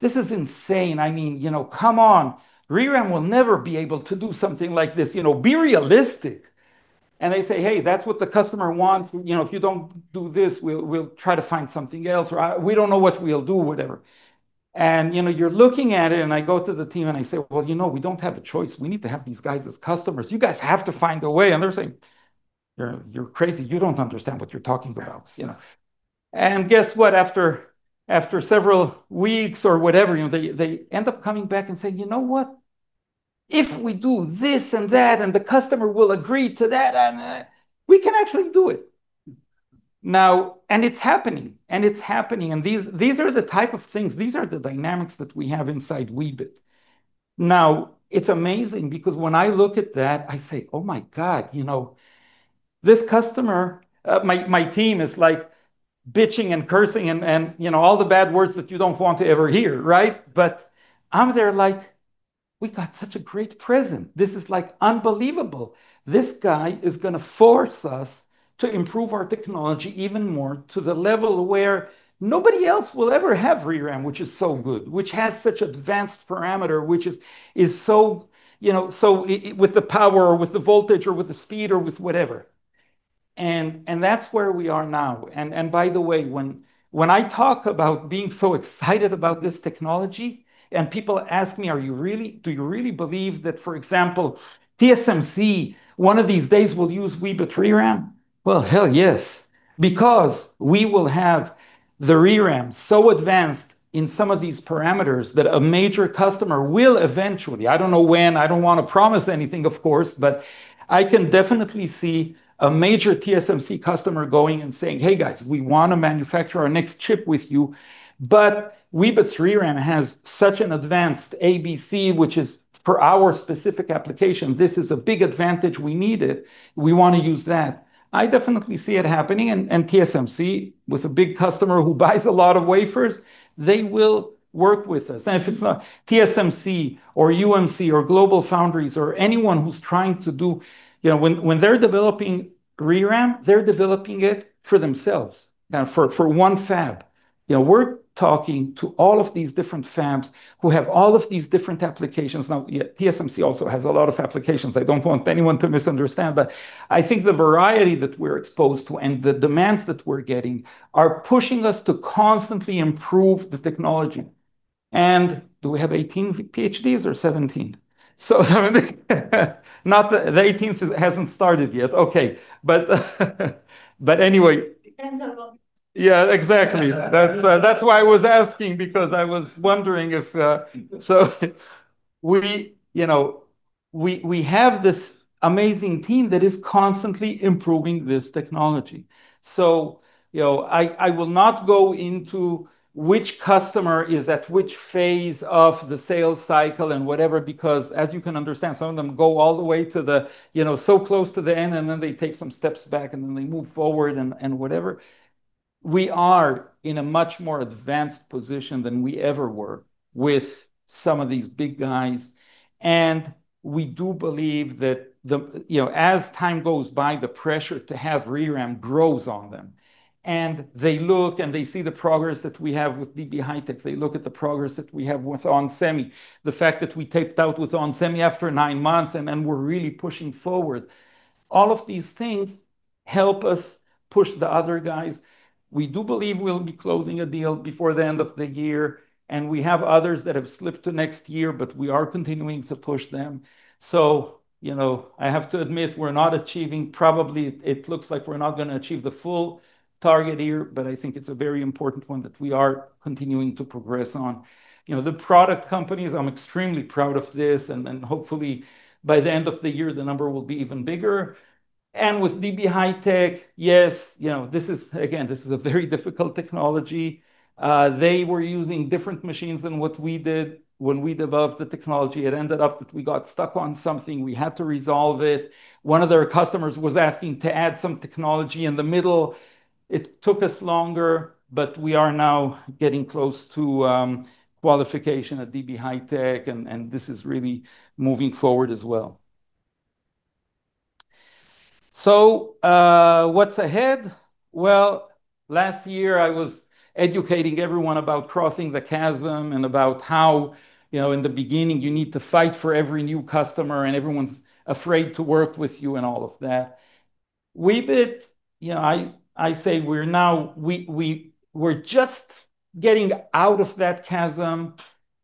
this is insane. I mean, come on, ReRAM will never be able to do something like this. Be realistic. They say, hey, that's what the customer wants. If you don't do this, we'll try to find something else. We don't know what we'll do, whatever. You're looking at it and I go to the team and I say, you know we don't have a choice. We need to have these guys as customers. You guys have to find a way. They're saying, you're crazy. You don't understand what you're talking about. Guess what? After several weeks or whatever, they end up coming back and saying, you know what? If we do this and that and the customer will agree to that, we can actually do it. Now, it's happening and it's happening. These are the type of things. These are the dynamics that we have inside Weebit. Now, it's amazing because when I look at that, I say, oh my God, you know this customer, my team is like bitching and cursing and all the bad words that you don't want to ever hear, right? I am there like, we got such a great present. This is like unbelievable. This guy is going to force us to improve our technology even more to the level where nobody else will ever have ReRAM, which is so good, which has such advanced parameter, which is so with the power or with the voltage or with the speed or with whatever. That is where we are now. By the way, when I talk about being so excited about this technology and people ask me, are you really, do you really believe that, for example, TSMC one of these days will use Weebit ReRAM? Hell yes, because we will have the ReRAM so advanced in some of these parameters that a major customer will eventually, I do not know when, I do not want to promise anything, of course, but I can definitely see a major TSMC customer going and saying, hey guys, we want to manufacture our next chip with you. But Weebit's ReRAM has such an advanced ADC, which is for our specific application. This is a big advantage. We need it. We want to use that. I definitely see it happening. TSMC with a big customer who buys a lot of wafers, they will work with us. If it's not TSMC or UMC or GlobalFoundries or anyone who's trying to do, when they're developing ReRAM, they're developing it for themselves, for one fab. We're talking to all of these different fabs who have all of these different applications. Now, TSMC also has a lot of applications. I don't want anyone to misunderstand, but I think the variety that we're exposed to and the demands that we're getting are pushing us to constantly improve the technology. Do we have 18 PhDs or 17? The 18th hasn't started yet. Exactly. That's why I was asking because I was wondering if, so we have this amazing team that is constantly improving this technology. I will not go into which customer is at which phase of the sales cycle and whatever, because as you can understand, some of them go all the way so close to the end, and then they take some steps back and then they move forward and whatever. We are in a much more advanced position than we ever were with some of these big guys. We do believe that as time goes by, the pressure to have ReRAM grows on them. They look and they see the progress that we have with DB HiTek. They look at the progress that we have with onsemi, the fact that we taped out with onsemi after nine months and then we're really pushing forward. All of these things help us push the other guys. We do believe we'll be closing a deal before the end of the year. We have others that have slipped to next year, but we are continuing to push them. I have to admit, we're not achieving, probably it looks like we're not going to achieve the full target here, but I think it's a very important one that we are continuing to progress on. The product companies, I'm extremely proud of this. Hopefully by the end of the year, the number will be even bigger. With the DB HiTek, yes, this is, again, this is a very difficult technology. They were using different machines than what we did when we developed the technology. It ended up that we got stuck on something. We had to resolve it. One of their customers was asking to add some technology in the middle. It took us longer, but we are now getting close to qualification at DB HiTek. This is really moving forward as well. What's ahead? Last year, I was educating everyone about crossing the chasm and about how in the beginning, you need to fight for every new customer and everyone's afraid to work with you and all of that. Weebit, I say we're now, we're just getting out of that chasm.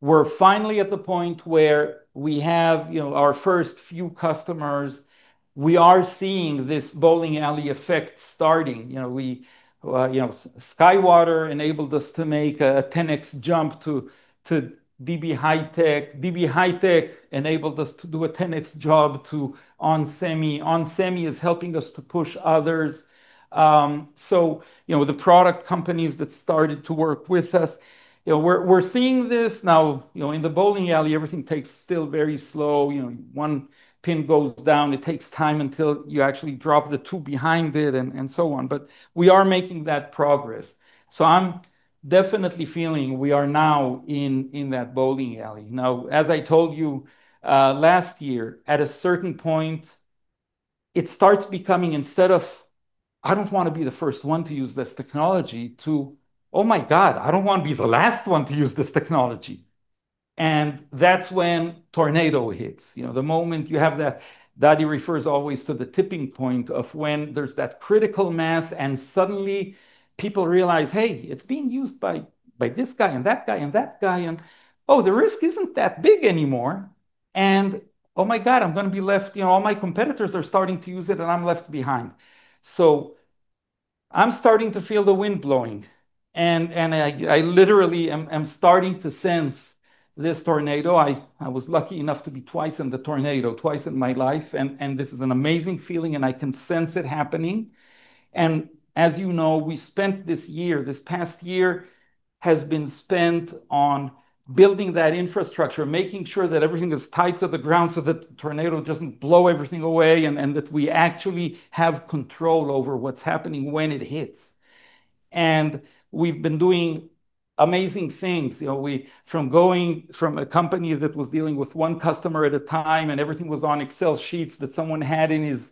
We're finally at the point where we have our first few customers. We are seeing this bowling alley effect starting. SkyWater enabled us to make a 10x jump to DB HiTek. DB HiTek enabled us to do a 10x jump to onsemi. onsemi is helping us to push others. The product companies that started to work with us, we're seeing this now in the bowling alley. Everything takes still very slow. One pin goes down. It takes time until you actually drop the two behind it and so on. We are making that progress. I am definitely feeling we are now in that bowling alley. As I told you last year, at a certain point, it starts becoming instead of, I do not want to be the first one to use this technology to, oh my God, I do not want to be the last one to use this technology. That is when tornado hits. The moment you have that, Dadi refers always to the tipping point of when there is that critical mass and suddenly people realize, hey, it is being used by this guy and that guy and that guy. Oh, the risk is not that big anymore. Oh my God, I am going to be left. All my competitors are starting to use it and I am left behind. I'm starting to feel the wind blowing. I literally am starting to sense this tornado. I was lucky enough to be twice in the tornado, twice in my life. This is an amazing feeling and I can sense it happening. As you know, we spent this year, this past year has been spent on building that infrastructure, making sure that everything is tied to the ground so that the tornado does not blow everything away and that we actually have control over what is happening when it hits. We have been doing amazing things from going from a company that was dealing with one customer at a time and everything was on Excel sheets that someone had in his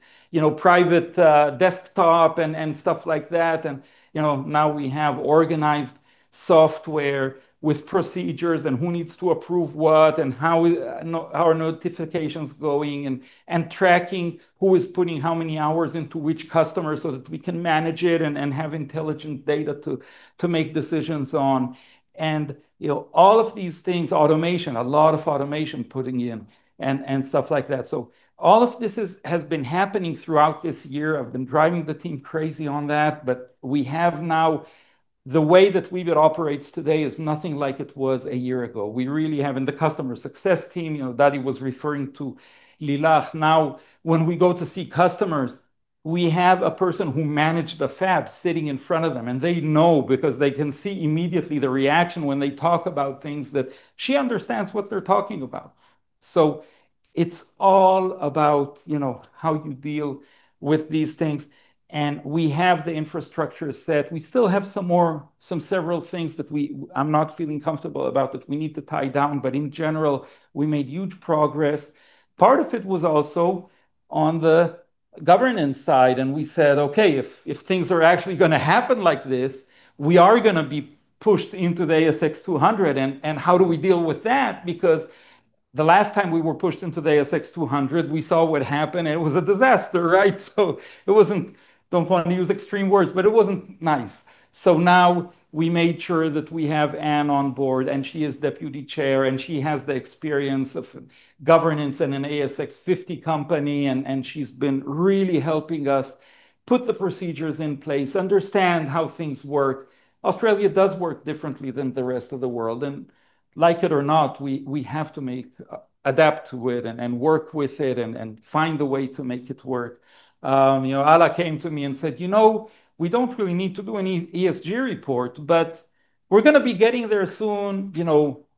private desktop and stuff like that. We have organized software with procedures and who needs to approve what and how notifications are going and tracking who is putting how many hours into which customer so that we can manage it and have intelligent data to make decisions on. All of these things, automation, a lot of automation putting in and stuff like that. All of this has been happening throughout this year. I've been driving the team crazy on that, but we have now the way that Weebit operates today is nothing like it was a year ago. We really have in the customer success team, Dadi was referring to Lilach. Now, when we go to see customers, we have a person who managed the fab sitting in front of them. They know because they can see immediately the reaction when they talk about things that she understands what they're talking about. It is all about how you deal with these things. We have the infrastructure set. We still have several things that I'm not feeling comfortable about that we need to tie down. In general, we made huge progress. Part of it was also on the governance side. We said, okay, if things are actually going to happen like this, we are going to be pushed into the ASX 200. How do we deal with that? The last time we were pushed into the ASX 200, we saw what happened. It was a disaster, right? It was not, I do not want to use extreme words, but it was not nice. Now we made sure that we have Anne on board and she is Deputy Chair and she has the experience of governance in an ASX 50 company. She has been really helping us put the procedures in place, understand how things work. Australia does work differently than the rest of the world. Like it or not, we have to adapt to it and work with it and find a way to make it work. Alla came to me and said, you know, we do not really need to do any ESG report, but we are going to be getting there soon.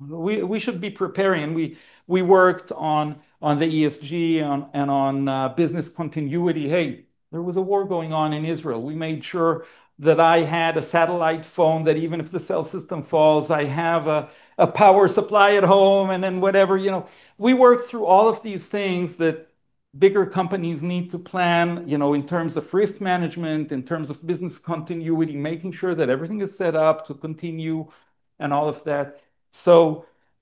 We should be preparing. We worked on the ESG and on business continuity. Hey, there was a war going on in Israel. We made sure that I had a satellite phone that even if the cell system falls, I have a power supply at home and then whatever. We worked through all of these things that bigger companies need to plan in terms of risk management, in terms of business continuity, making sure that everything is set up to continue and all of that.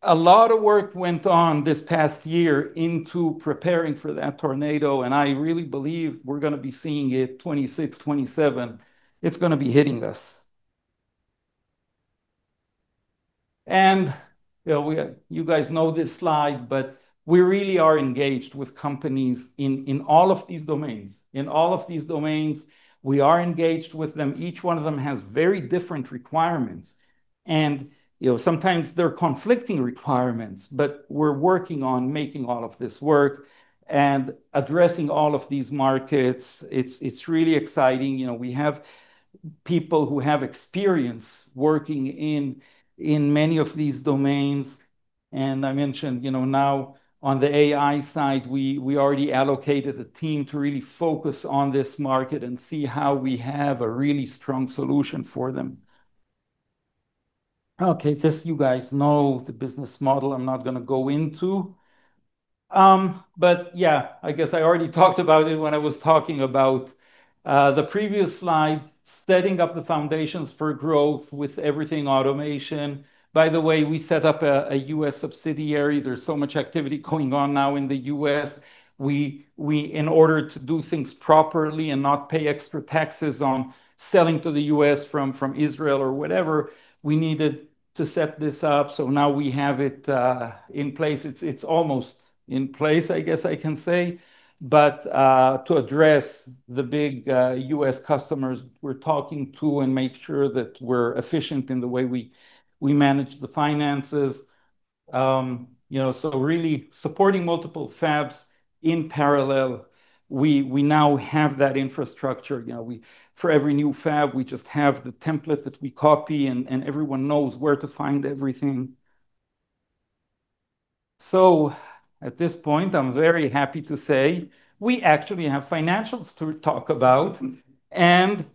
A lot of work went on this past year into preparing for that tornado. I really believe we're going to be seeing it 2026, 2027. It's going to be hitting us. You guys know this slide, but we really are engaged with companies in all of these domains. In all of these domains, we are engaged with them. Each one of them has very different requirements. Sometimes they're conflicting requirements, but we're working on making all of this work and addressing all of these markets. It's really exciting. We have people who have experience working in many of these domains. I mentioned now on the AI side, we already allocated a team to really focus on this market and see how we have a really strong solution for them. Okay, just you guys know the business model I'm not going to go into. Yeah, I guess I already talked about it when I was talking about the previous slide, setting up the foundations for growth with everything automation. By the way, we set up a U.S. subsidiary. There's so much activity going on now in the U.S. In order to do things properly and not pay extra taxes on selling to the U.S. from Israel or whatever, we needed to set this up. Now we have it in place. It's almost in place, I guess I can say. To address the big U.S. customers we're talking to and make sure that we're efficient in the way we manage the finances. Really supporting multiple fabs in parallel, we now have that infrastructure. For every new fab, we just have the template that we copy and everyone knows where to find everything. At this point, I'm very happy to say we actually have financials to talk about. I'm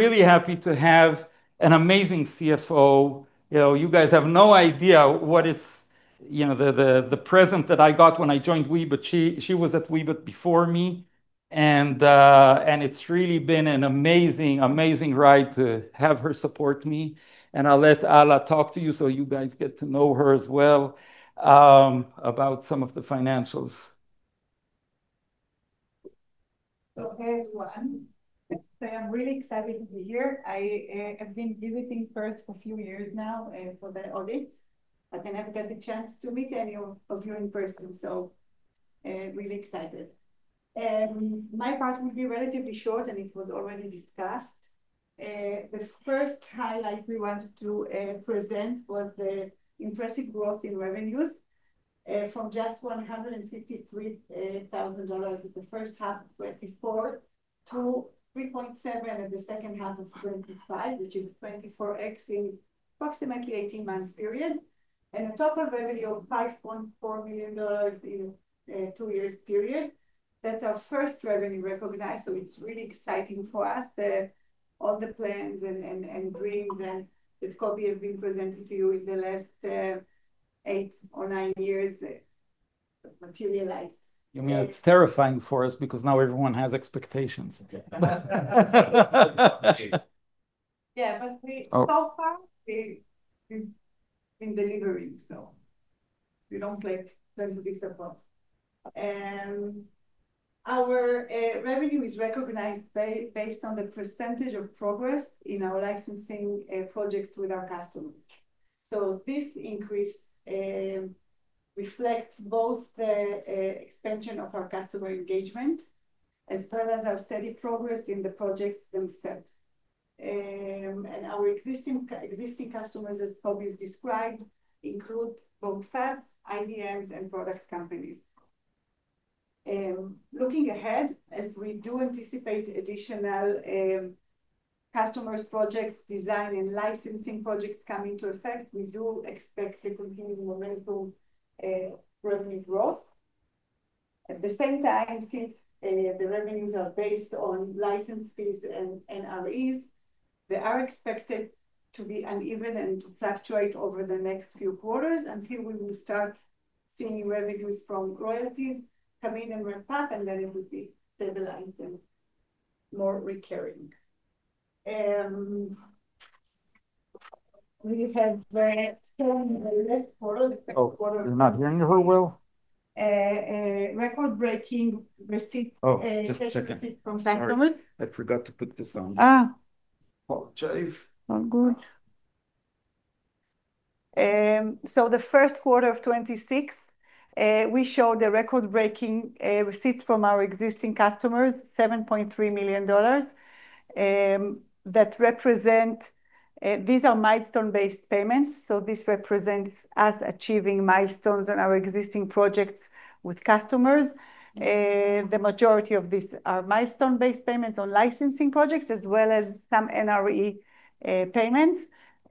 really happy to have an amazing CFO. You guys have no idea what it's the present that I got when I joined Weebit. She was at Weebit before me. It's really been an amazing, amazing ride to have her support me. I'll let Alla talk to you so you guys get to know her as well about some of the financials. Okay, everyone. I'm really excited to be here. I have been visiting Perth for a few years now for the audits. But then I've got the chance to meet any of you in person. Really excited. My part will be relatively short and it was already discussed. The first highlight we wanted to present was the impressive growth in revenues from just 153,000 dollars in the first half of 2024 to 3.7 million in the second half of 2025, which is 24x in approximately 18 months period. A total revenue of 5.4 million dollars in a two-year period. That is our first revenue recognized. Really exciting for us. All the plans and dreams that Coby have been presented to you in the last eight or nine years materialized. You mean it's terrifying for us because now everyone has expectations. Yeah, but so far we've been delivering. We do not like that to be surprised. Our revenue is recognized based on the percentage of progress in our licensing projects with our customers. This increase reflects both the expansion of our customer engagement as well as our steady progress in the projects themselves. Our existing customers, as Coby's described, include both fabs, IDMs, and product companies. Looking ahead, as we do anticipate additional customers' projects design and licensing projects coming to effect, we do expect to continue to revenue growth. At the same time, since the revenues are based on license fees and REs, they are expected to be uneven and to fluctuate over the next few quarters until we will start seeing revenues from royalties coming in and ramp up, and then it would be stabilized and more recurring. We have shown the last quarter. Oh, you're not hearing her well. Record-breaking receipt from customers. I forgot to put this on. Apologize. All good. The first quarter of 2026, we showed the record-breaking receipts from our existing customers, 7.3 million dollars. That represents, these are milestone-based payments. This represents us achieving milestones on our existing projects with customers. The majority of these are milestone-based payments on licensing projects as well as some NRE payments.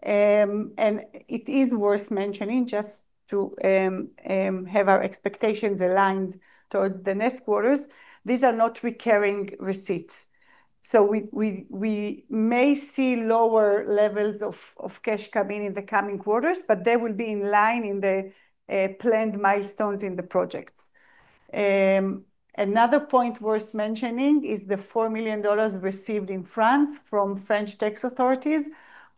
It is worth mentioning just to have our expectations aligned towards the next quarters. These are not recurring receipts. We may see lower levels of cash coming in the coming quarters, but they will be in line with the planned milestones in the projects. Another point worth mentioning is the EUR 4 million received in France from French tax authorities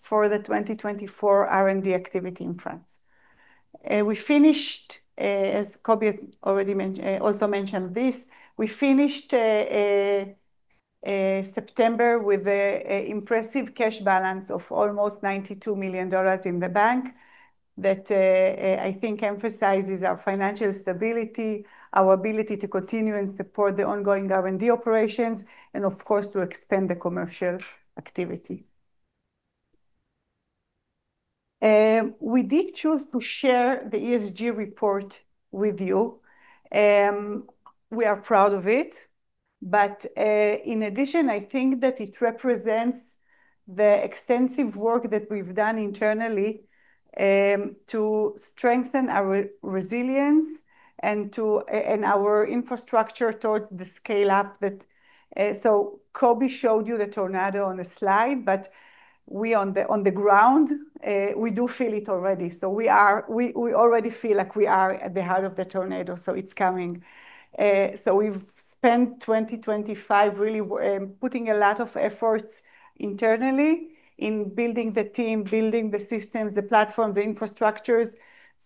for the 2024 R&D activity in France. We finished, as Coby has already also mentioned this, we finished September with an impressive cash balance of almost 92 million dollars in the bank that I think emphasizes our financial stability, our ability to continue and support the ongoing R&D operations, and of course, to expand the commercial activity. We did choose to share the ESG report with you. We are proud of it. In addition, I think that it represents the extensive work that we've done internally to strengthen our resilience and our infrastructure towards the scale-up. Coby showed you the tornado on the slide, but we on the ground, we do feel it already. We already feel like we are at the heart of the tornado. It's coming. We've spent 2025 really putting a lot of efforts internally in building the team, building the systems, the platforms, the infrastructures.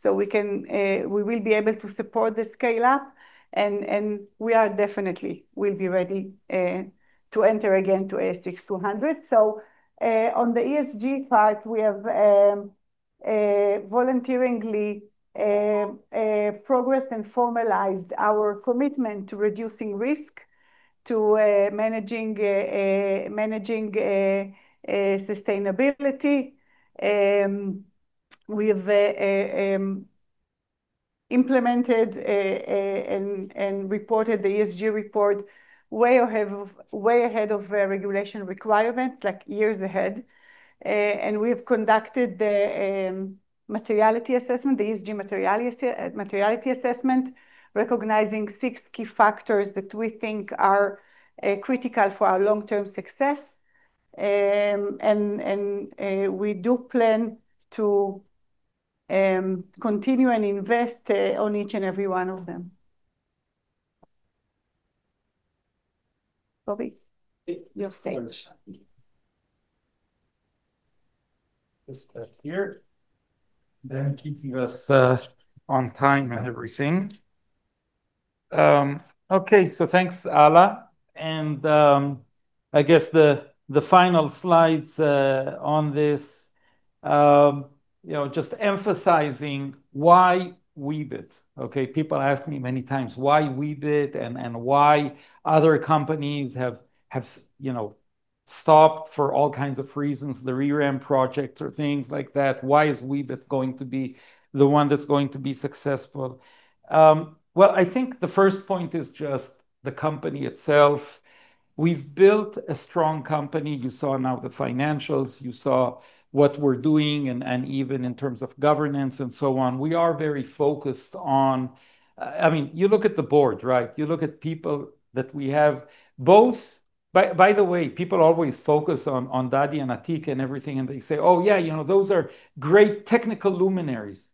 We will be able to support the scale-up. We are definitely ready to enter again to ASX 200. On the ESG part, we have volunteeringly progressed and formalized our commitment to reducing risk, to managing sustainability. We have implemented and reported the ESG report way ahead of regulation requirements, like years ahead. We have conducted the materiality assessment, the ESG materiality assessment, recognizing six key factors that we think are critical for our long-term success. We do plan to continue and invest on each and every one of them. Coby, your stage. Just back here. Keeping us on time and everything. Okay, thanks, Alla. I guess the final slides on this, just emphasizing why Weebit. People ask me many times why Weebit and why other companies have stopped for all kinds of reasons, the ReRAM projects or things like that. Why is Weebit going to be the one that's going to be successful? I think the first point is just the company itself. We've built a strong company. You saw now the financials. You saw what we're doing and even in terms of governance and so on. We are very focused on, I mean, you look at the board, right? You look at people that we have both. By the way, people always focus on Dadi and Atiq and everything. They say, "Oh, yeah, you know those are great technical luminaries."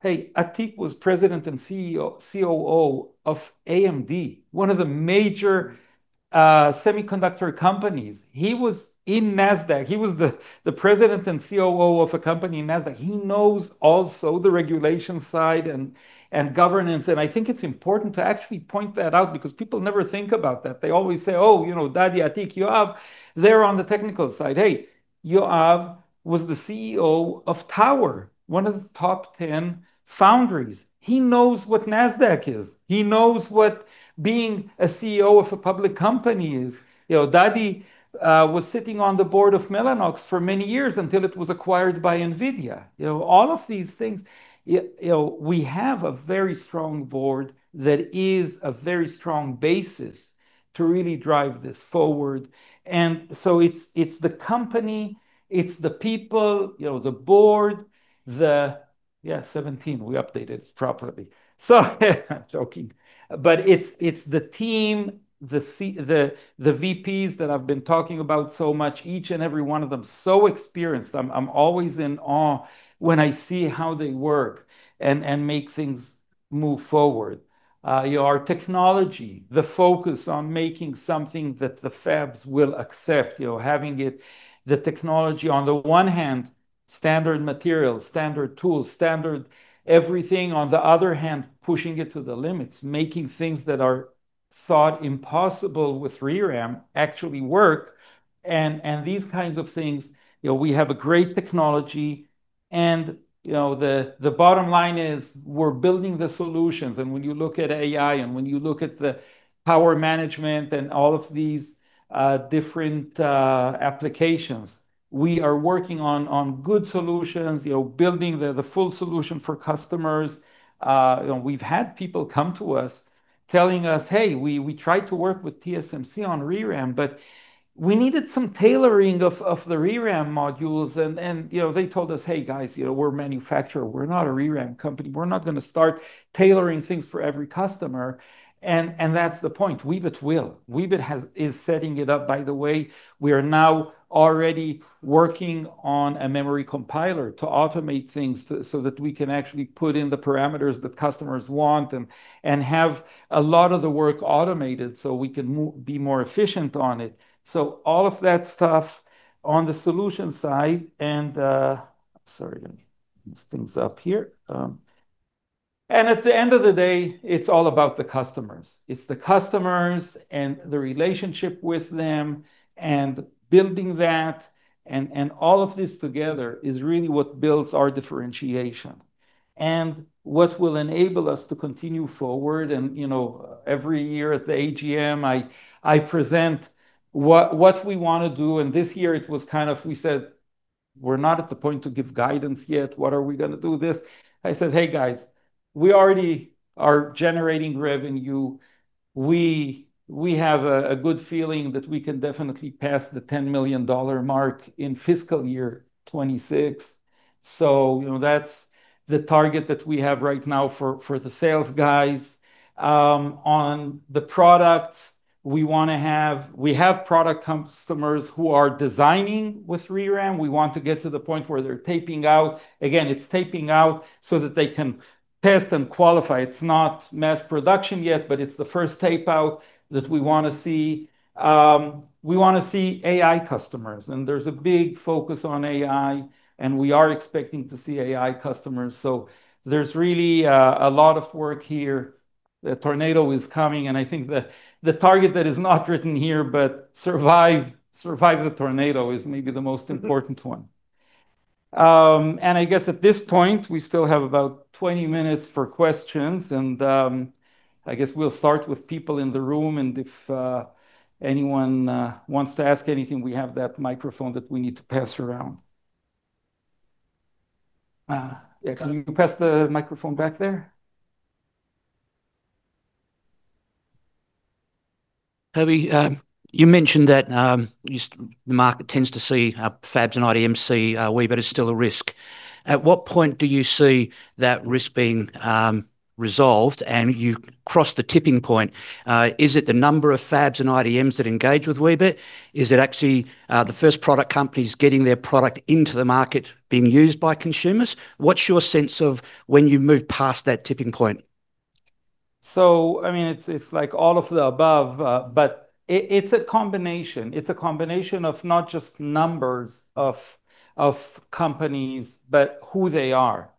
Hey, Atiq was president and COO of AMD, one of the major semiconductor companies. He was in NASDAQ. He was the president and COO of a company in NASDAQ. He knows also the regulation side and governance. I think it's important to actually point that out because people never think about that. They always say, "Oh, you know, Dadi Atiq, Yoav, they're on the technical side." Hey, Yoav was the CEO of Tower, one of the top 10 foundries. He knows what NASDAQ is. He knows what being a CEO of a public company is. Dadi was sitting on the board of Mellanox for many years until it was acquired by NVIDIA. All of these things, we have a very strong board that is a very strong basis to really drive this forward. It is the company, it is the people, the board, the, yeah, 17, we updated it properly. I am joking. It is the team, the VPs that I have been talking about so much, each and every one of them so experienced. I am always in awe when I see how they work and make things move forward. Our technology, the focus on making something that the fabs will accept, having it, the technology on the one hand, standard materials, standard tools, standard everything. On the other hand, pushing it to the limits, making things that are thought impossible with ReRAM actually work. These kinds of things, we have a great technology. The bottom line is we're building the solutions. When you look at AI and when you look at the power management and all of these different applications, we are working on good solutions, building the full solution for customers. We've had people come to us telling us, "Hey, we tried to work with TSMC on ReRAM, but we needed some tailoring of the ReRAM modules." They told us, "Hey, guys, we're a manufacturer. We're not a ReRAM company. We're not going to start tailoring things for every customer." That's the point. Weebit will. Weebit is setting it up, by the way. We are now already working on a memory compiler to automate things so that we can actually put in the parameters that customers want and have a lot of the work automated so we can be more efficient on it. All of that stuff on the solution side. Sorry, let me move things up here. At the end of the day, it's all about the customers. It's the customers and the relationship with them and building that. All of this together is really what builds our differentiation and what will enable us to continue forward. Every year at the AGM, I present what we want to do. This year, it was kind of, we said, "We're not at the point to give guidance yet. What are we going to do this?" I said, "Hey, guys, we already are generating revenue. We have a good feeling that we can definitely pass the 10 million dollar mark in fiscal year 2026." That is the target that we have right now for the sales guys. On the product, we want to have, we have product customers who are designing with ReRAM. We want to get to the point where they are taping out. Again, it is taping out so that they can test and qualify. It is not mass production yet, but it is the first tape out that we want to see. We want to see AI customers. There is a big focus on AI. We are expecting to see AI customers. There is really a lot of work here. The tornado is coming. I think the target that is not written here, but survive the tornado is maybe the most important one. I guess at this point, we still have about 20 minutes for questions. I guess we'll start with people in the room. If anyone wants to ask anything, we have that microphone that we need to pass around. Yeah, can you pass the microphone back there? Coby, you mentioned that the market tends to see fabs and IDMs. Weebit is still a risk. At what point do you see that risk being resolved? You crossed the tipping point. Is it the number of fabs and IDMs that engage with Weebit? Is it actually the first product companies getting their product into the market being used by consumers? What's your sense of when you move past that tipping point? I mean, it's like all of the above, but it's a combination. It's a combination of not just numbers of companies, but who they are.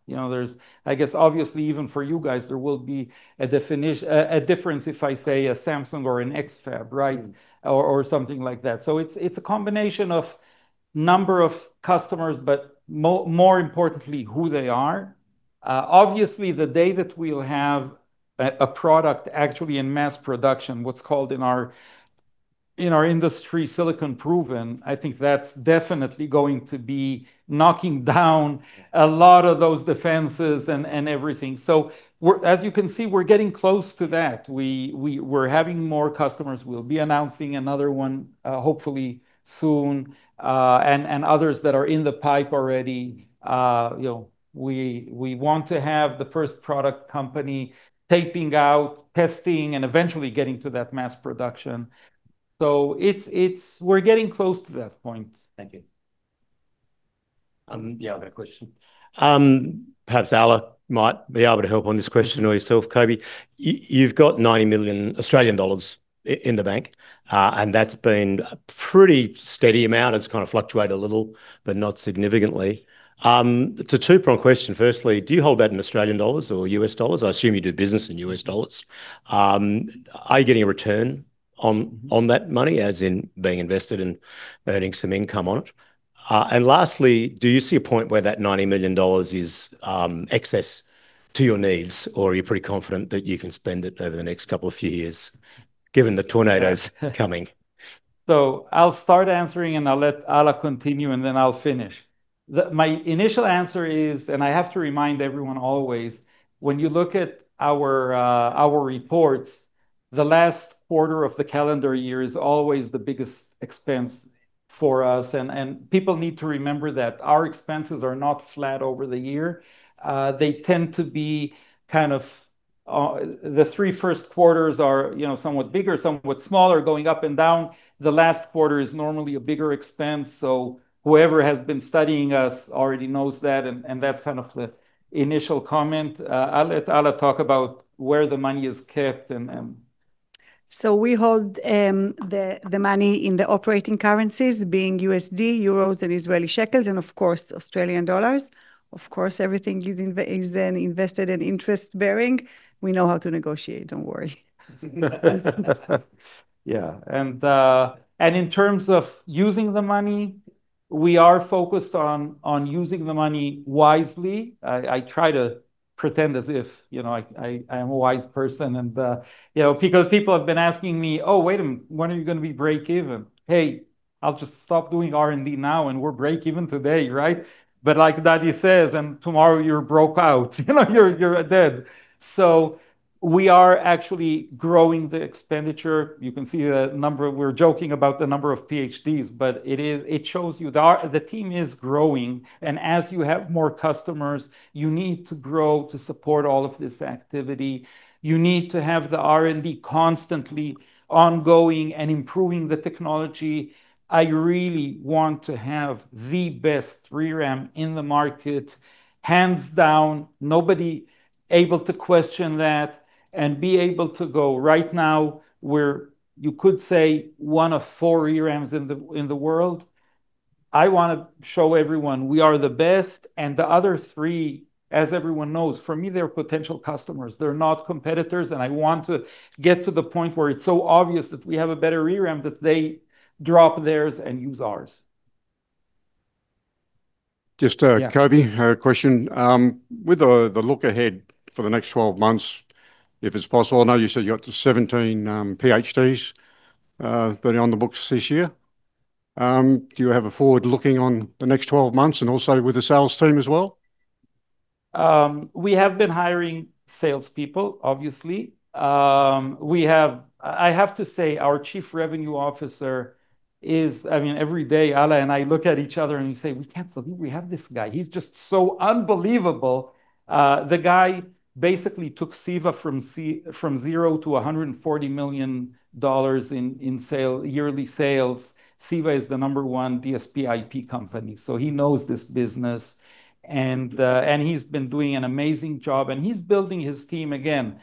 I guess, obviously, even for you guys, there will be a difference if I say a Samsung or an X-FAB, right? Or something like that. It's a combination of number of customers, but more importantly, who they are. Obviously, the day that we'll have a product actually in mass production, what's called in our industry, silicon proven, I think that's definitely going to be knocking down a lot of those defenses and everything. As you can see, we're getting close to that. We're having more customers. We'll be announcing another one, hopefully soon. Others that are in the pipe already. We want to have the first product company taping out, testing, and eventually getting to that mass production. We're getting close to that point. Thank you. Yeah, I've got a question. Perhaps Alla might be able to help on this question or yourself. Coby, you've got 90 million Australian dollars in the bank. That's been a pretty steady amount. It's kind of fluctuated a little, but not significantly. It's a two-pronged question. Firstly, do you hold that in Australian dollars or U.S. dollars? I assume you do business in U.S. dollars. Are you getting a return on that money as in being invested and earning some income on it? Lastly, do you see a point where that 90 million dollars is excess to your needs? Or are you pretty confident that you can spend it over the next couple of few years given the tornadoes coming? I'll start answering and I'll let Alla continue, and then I'll finish. My initial answer is, and I have to remind everyone always, when you look at our reports, the last quarter of the calendar year is always the biggest expense for us. People need to remember that our expenses are not flat over the year. They tend to be kind of, the three first quarters are somewhat bigger, somewhat smaller, going up and down. The last quarter is normally a bigger expense. Whoever has been studying us already knows that. That is kind of the initial comment. I'll let Alla talk about where the money is kept. We hold the money in the operating currencies being USD, euros, and Israeli shekels, and of course, Australian dollars. Everything is then invested in interest-bearing. We know how to negotiate. Don't worry. In terms of using the money, we are focused on using the money wisely. I try to pretend as if I am a wise person. People have been asking me, "Oh, wait a minute. When are you going to be break even?" Hey, I'll just stop doing R&D now and we're break even today, right? Like Dadi says, and tomorrow you're broke out. You're dead. We are actually growing the expenditure. You can see the number. We're joking about the number of PhDs, but it shows you the team is growing. As you have more customers, you need to grow to support all of this activity. You need to have the R&D constantly ongoing and improving the technology. I really want to have the best ReRAM in the market. Hands down, nobody able to question that and be able to go right now, you could say one of four ReRAMs in the world. I want to show everyone we are the best. The other three, as everyone knows, for me, they are potential customers. They are not competitors. I want to get to the point where it is so obvious that we have a better ReRAM that they drop theirs and use ours. Just Coby, a question. With the look ahead for the next 12 months, if it is possible, I know you said you got 17 PhDs burning on the books this year. Do you have a forward looking on the next 12 months and also with the sales team as well? We have been hiring salespeople, obviously. I have to say our Chief Revenue Officer is, I mean, every day, Alla and I look at each other and we say, "We cannot believe we have this guy. He's just so unbelievable." The guy basically took CEVA from zero to $140 million in yearly sales. CEVA is the number one DSP IP company. He knows this business. He's been doing an amazing job. He's building his team again.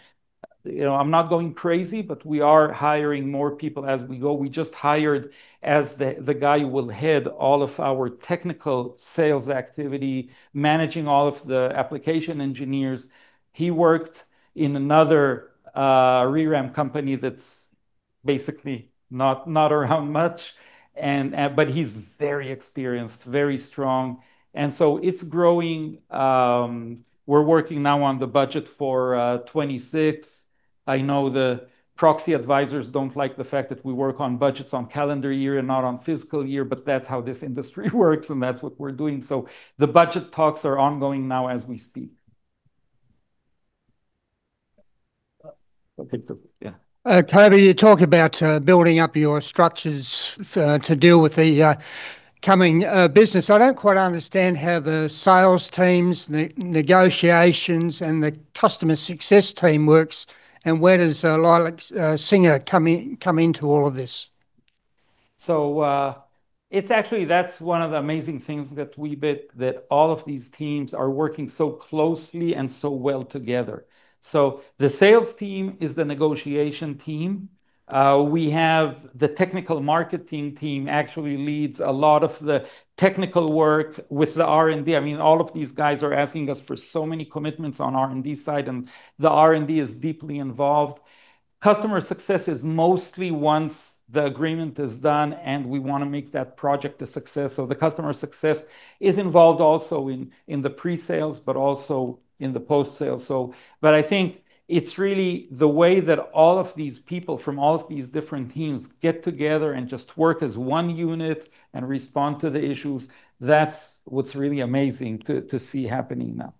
I'm not going crazy, but we are hiring more people as we go. We just hired the guy who will head all of our technical sales activity, managing all of the application engineers. He worked in another ReRAM company that's basically not around much. He's very experienced, very strong. It is growing. We're working now on the budget for 2026. I know the proxy advisors do not like the fact that we work on budgets on calendar year and not on fiscal year, but that's how this industry works. That's what we're doing. The budget talks are ongoing now as we speak. Coby, you talk about building up your structures to deal with the coming business. I do not quite understand how the sales teams, the negotiations, and the customer success team works. Where does Lilach Zinger come into all of this? It is actually, that is one of the amazing things at Weebit, that all of these teams are working so closely and so well together. The sales team is the negotiation team. We have the technical marketing team actually leads a lot of the technical work with the R&D. I mean, all of these guys are asking us for so many commitments on the R&D side. The R&D is deeply involved. Customer success is mostly once the agreement is done, and we want to make that project a success. The customer success is involved also in the pre-sales, but also in the post-sales. I think it's really the way that all of these people from all of these different teams get together and just work as one unit and respond to the issues. That's what's really amazing to see happening now.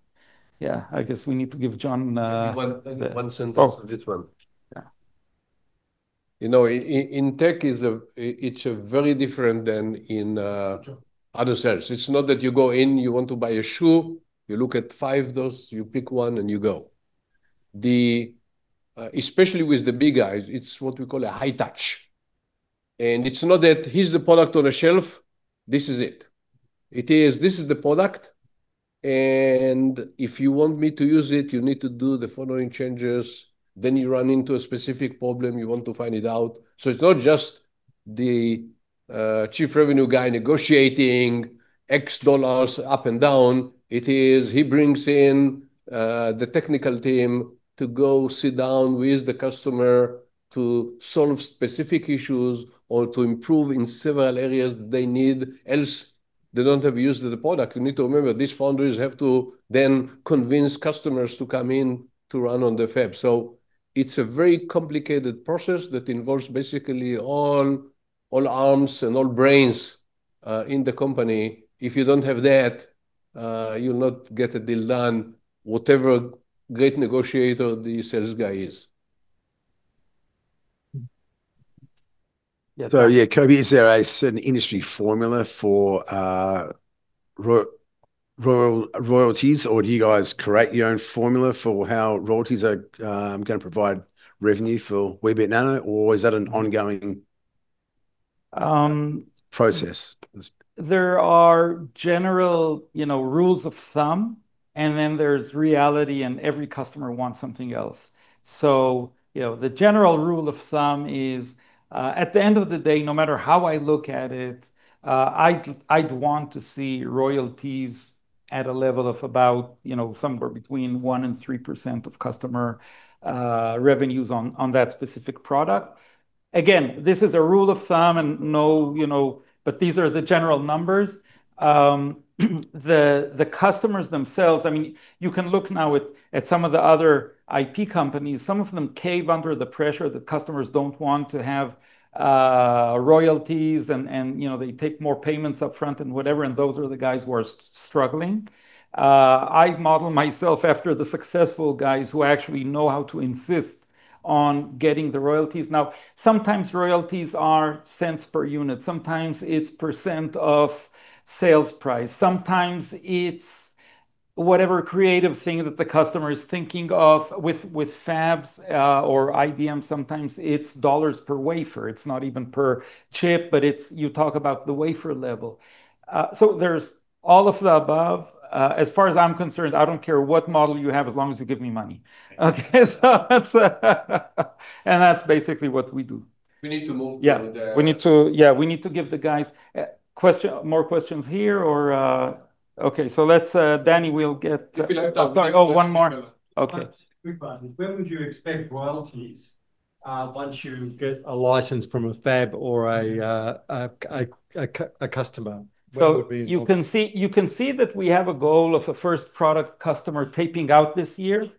Yeah, I guess we need to give John one sentence on this one. In tech, it's very different than in other sales. It's not that you go in, you want to buy a shoe, you look at five of those, you pick one and you go. Especially with the big guys, it's what we call a high touch. It's not that he's the product on a shelf. This is it. This is the product. If you want me to use it, you need to do the following changes. You run into a specific problem. You want to find it out. It is not just the chief revenue guy negotiating X dollars up and down. He brings in the technical team to go sit down with the customer to solve specific issues or to improve in several areas that they need. Else they do not have used the product. You need to remember these foundries have to then convince customers to come in to run on the fab. It is a very complicated process that involves basically all arms and all brains in the company. If you do not have that, you will not get a deal done, whatever great negotiator the sales guy is. Yeah, Coby, is there an industry formula for royalties? Or do you guys create your own formula for how royalties are going to provide revenue for Weebit Nano? Or is that an ongoing process? There are general rules of thumb. There is reality and every customer wants something else. The general rule of thumb is at the end of the day, no matter how I look at it, I'd want to see royalties at a level of about somewhere between 1% and 3% of customer revenues on that specific product. Again, this is a rule of thumb and no, but these are the general numbers. The customers themselves, I mean, you can look now at some of the other IP companies. Some of them cave under the pressure that customers do not want to have royalties. They take more payments upfront and whatever. Those are the guys who are struggling. I model myself after the successful guys who actually know how to insist on getting the royalties. Sometimes royalties are cents per unit. Sometimes it is percent of sales price. Sometimes it's whatever creative thing that the customer is thinking of with fabs or IDMs. Sometimes it's dollars per wafer. It's not even per chip, but you talk about the wafer level. There's all of the above. As far as I'm concerned, I don't care what model you have as long as you give me money. That's basically what we do. We need to move to the— yeah, we need to give the guys more questions here. Okay, Danny, we'll get—sorry, oh, one more. Okay. When would you expect royalties once you get a license from a fab or a customer? You can see that we have a goal of a first product customer taping out this year.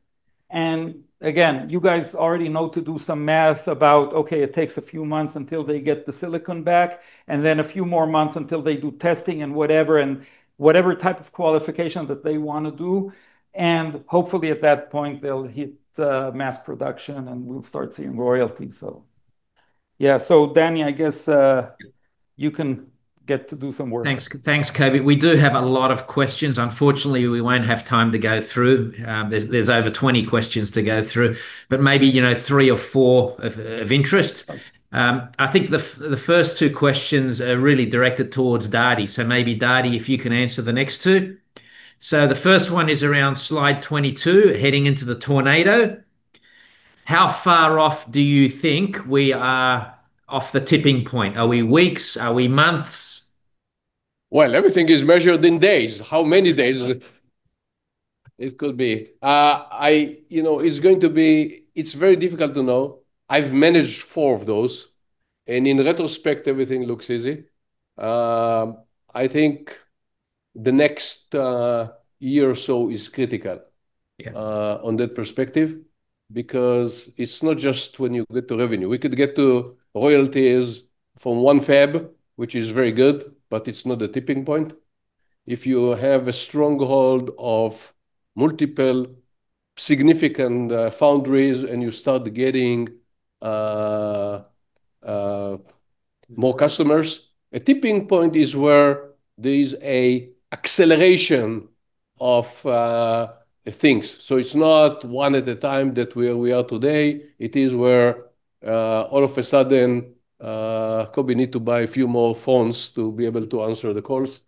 You guys already know to do some math about, okay, it takes a few months until they get the silicon back and then a few more months until they do testing and whatever type of qualification that they want to do. Hopefully at that point, they'll hit mass production and we'll start seeing royalties. Yeah, Danny, I guess you can get to do some work. Thanks, Coby. We do have a lot of questions. Unfortunately, we won't have time to go through. There's over 20 questions to go through, but maybe three or four of interest. I think the first two questions are really directed towards Dadi. Maybe Dadi, if you can answer the next two. The first one is around slide 22, heading into the tornado. How far off do you think we are off the tipping point? Are we weeks? Are we months? Everything is measured in days. How many days it could be. It's going to be, it's very difficult to know. I've managed four of those. In retrospect, everything looks easy. I think the next year or so is critical on that perspective because it's not just when you get to revenue. We could get to royalties from one fab, which is very good, but it's not the tipping point. If you have a stronghold of multiple significant foundries and you start getting more customers, a tipping point is where there is an acceleration of things. It's not one at a time that we are today. It is where all of a sudden, Coby needs to buy a few more phones to be able to answer the calls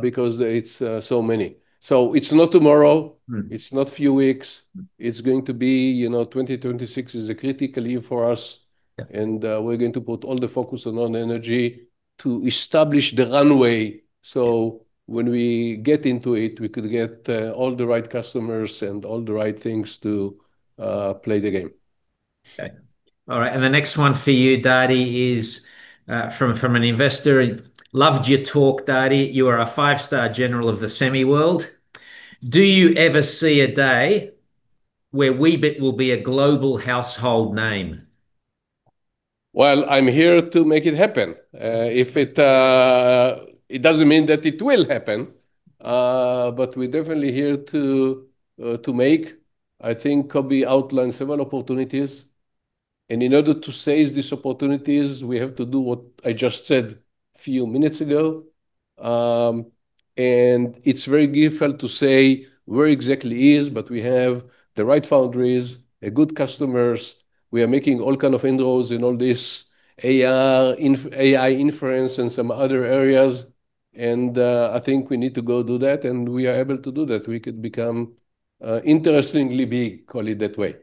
because it's so many. It's not tomorrow. It's not a few weeks. It's going to be 2026 is a critical year for us. We're going to put all the focus on energy to establish the runway. When we get into it, we could get all the right customers and all the right things to play the game. All right. The next one for you, Dadi, is from an investor. Loved your talk, Dadi. You are a five-star general of the semi-world. Do you ever see a day where Weebit will be a global household name? I'm here to make it happen. It doesn't mean that it will happen, but we're definitely here to make, I think, Coby outlined several opportunities. In order to size these opportunities, we have to do what I just said a few minutes ago. It's very difficult to say where exactly it is, but we have the right foundries, good customers. We are making all kinds of inroads in all this AI inference and some other areas. I think we need to go do that. We are able to do that. We could become interestingly big, call it that way.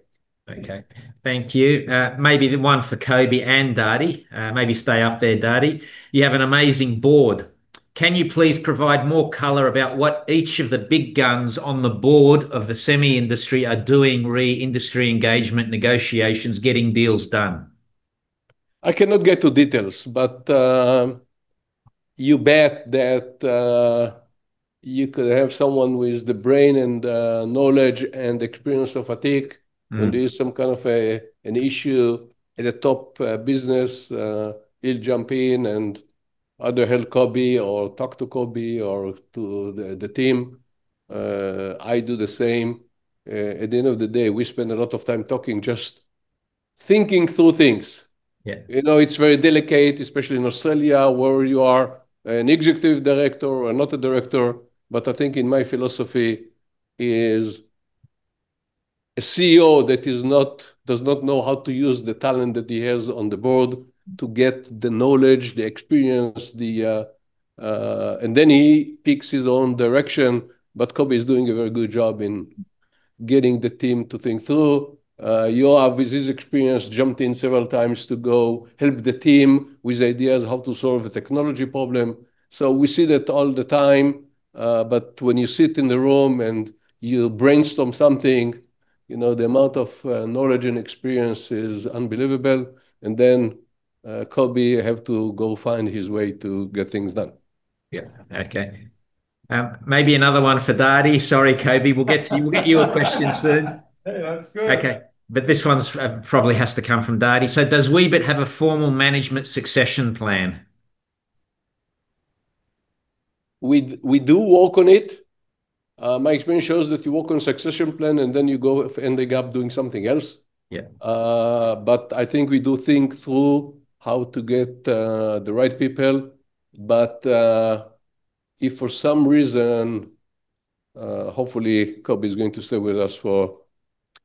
Okay. Thank you. Maybe the one for Coby and Dadi. Maybe stay up there, Dadi. You have an amazing board. Can you please provide more color about what each of the big guns on the board of the semi industry are doing? Re-industry engagement, negotiations, getting deals done. I cannot get to details, but you bet that you could have someone with the brain and knowledge and experience of Atiq and do some kind of an issue at a top business. He'll jump in and either help Coby or talk to Coby or to the team. I do the same. At the end of the day, we spend a lot of time talking, just thinking through things. It's very delicate, especially in Australia where you are an executive director or not a director. I think in my philosophy, it is a CEO that does not know how to use the talent that he has on the board to get the knowledge, the experience. He picks his own direction. Coby is doing a very good job in getting the team to think through. Yoav, with his experience, jumped in several times to go help the team with ideas how to solve a technology problem. We see that all the time. When you sit in the room and you brainstorm something, the amount of knowledge and experience is unbelievable. Coby has to go find his way to get things done. Yeah. Okay. Maybe another one for Dadi. Sorry, Coby. We'll get you a question soon. That's good. Okay. This one probably has to come from Dadi. Does Weebit have a formal management succession plan? We do work on it. My experience shows that you work on a succession plan and then you go end the gap doing something else. I think we do think through how to get the right people. If for some reason, hopefully Coby is going to stay with us for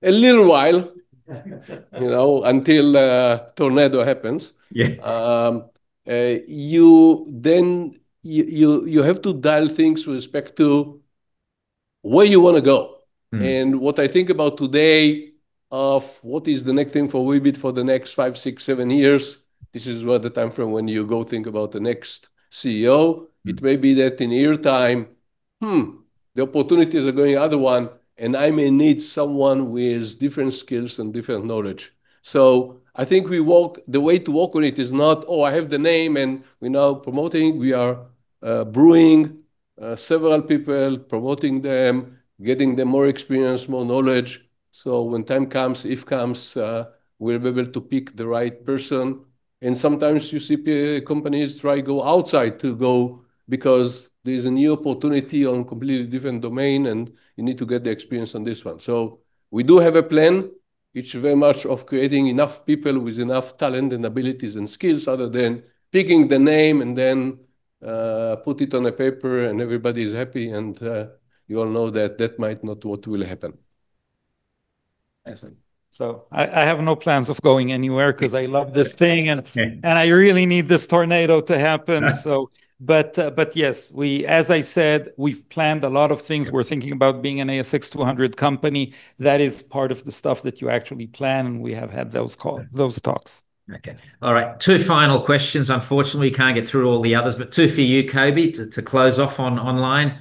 a little while until a tornado happens, you have to dial things with respect to where you want to go. What I think about today of what is the next thing for Weebit for the next five, six, seven years, this is the time frame when you go think about the next CEO. It may be that in a year's time, the opportunities are going the other way. I may need someone with different skills and different knowledge. I think the way to work on it is not, oh, I have the name and we're now promoting. We are brewing several people, promoting them, getting them more experience, more knowledge. When time comes, if comes, we'll be able to pick the right person. Sometimes you see companies try to go outside to go because there's a new opportunity on a completely different domain and you need to get the experience on this one. We do have a plan. It's very much of creating enough people with enough talent and abilities and skills other than picking the name and then put it on a paper and everybody is happy. You all know that that might not be what will happen. Excellent. I have no plans of going anywhere because I love this thing and I really need this tornado to happen. Yes, as I said, we've planned a lot of things. We're thinking about being an ASX 200 company. That is part of the stuff that you actually plan. We have had those talks. Okay. All right. Two final questions. Unfortunately, we can't get through all the others, but two for you, Coby, to close off online.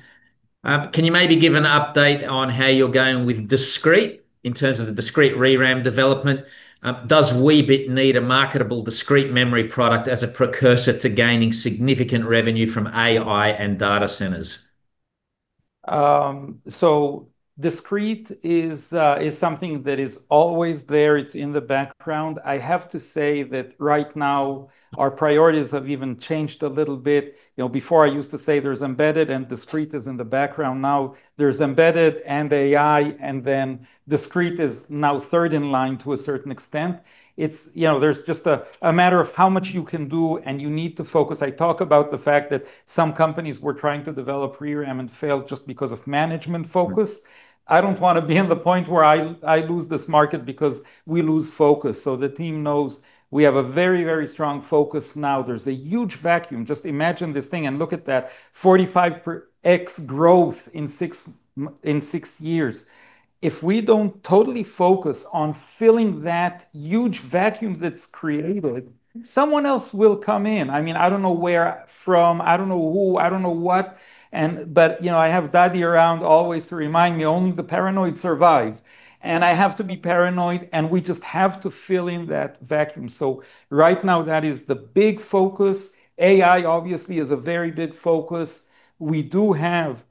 Can you maybe give an update on how you're going with discrete in terms of the discrete ReRAM development? Does Weebit need a marketable discrete memory product as a precursor to gaining significant revenue from AI and data centers? Discrete is something that is always there. It's in the background. I have to say that right now, our priorities have even changed a little bit. Before, I used to say there's embedded and discrete is in the background. Now there's embedded and AI, and then discrete is now third in line to a certain extent. There's just a matter of how much you can do and you need to focus. I talk about the fact that some companies were trying to develop ReRAM and failed just because of management focus. I don't want to be in the point where I lose this market because we lose focus. I mean, the team knows we have a very, very strong focus. Now there's a huge vacuum. Just imagine this thing and look at that. 45x growth in six years. If we don't totally focus on filling that huge vacuum that's created, someone else will come in. I mean, I don't know where from, I don't know who, I don't know what. But I have Dadi around always to remind me only the paranoid survive. I have to be paranoid and we just have to fill in that vacuum. Right now, that is the big focus. AI, obviously, is a very big focus. We do have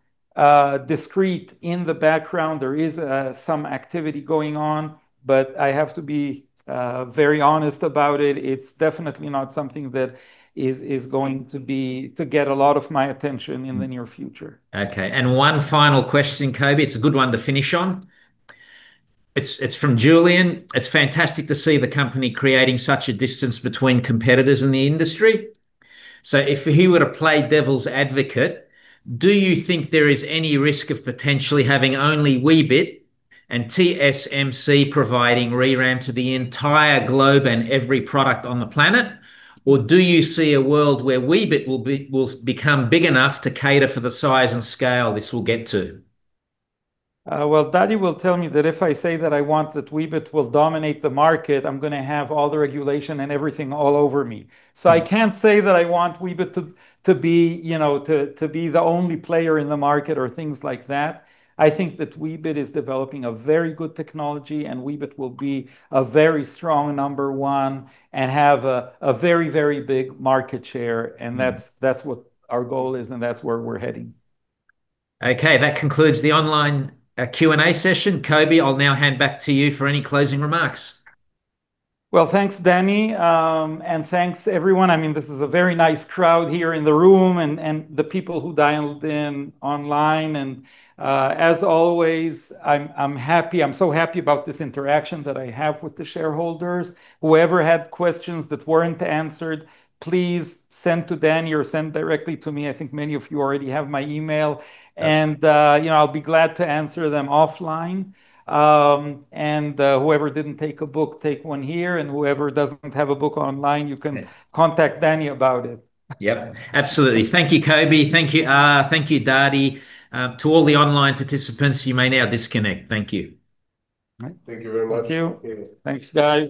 discrete in the background. There is some activity going on, but I have to be very honest about it. It's definitely not something that is going to get a lot of my attention in the near future. Okay. One final question, Coby. It's a good one to finish on. It's from Julian. It's fantastic to see the company creating such a distance between competitors in the industry. If he were to play devil's advocate, do you think there is any risk of potentially having only Weebit and TSMC providing RAM to the entire globe and every product on the planet? Or do you see a world where Weebit will become big enough to cater for the size and scale this will get to? Dadi will tell me that if I say that I want that Weebit will dominate the market, I'm going to have all the regulation and everything all over me. I can't say that I want Weebit to be the only player in the market or things like that. I think that Weebit is developing a very good technology and Weebit will be a very strong number one and have a very, very big market share. That's what our goal is and that's where we're heading. Okay. That concludes the online Q&A session. Coby, I'll now hand back to you for any closing remarks. Thanks, Danny. And thanks, everyone. I mean, this is a very nice crowd here in the room and the people who dialed in online. As always, I'm happy. I'm so happy about this interaction that I have with the shareholders. Whoever had questions that were not answered, please send to Danny or send directly to me. I think many of you already have my email. I'll be glad to answer them offline. Whoever did not take a book, take one here. Whoever does not have a book online, you can contact Danny about it. Yep. Absolutely. Thank you, Coby. Thank you, Dadi. To all the online participants, you may now disconnect. Thank you. Thank you very much. Thank you. Thanks, Danny.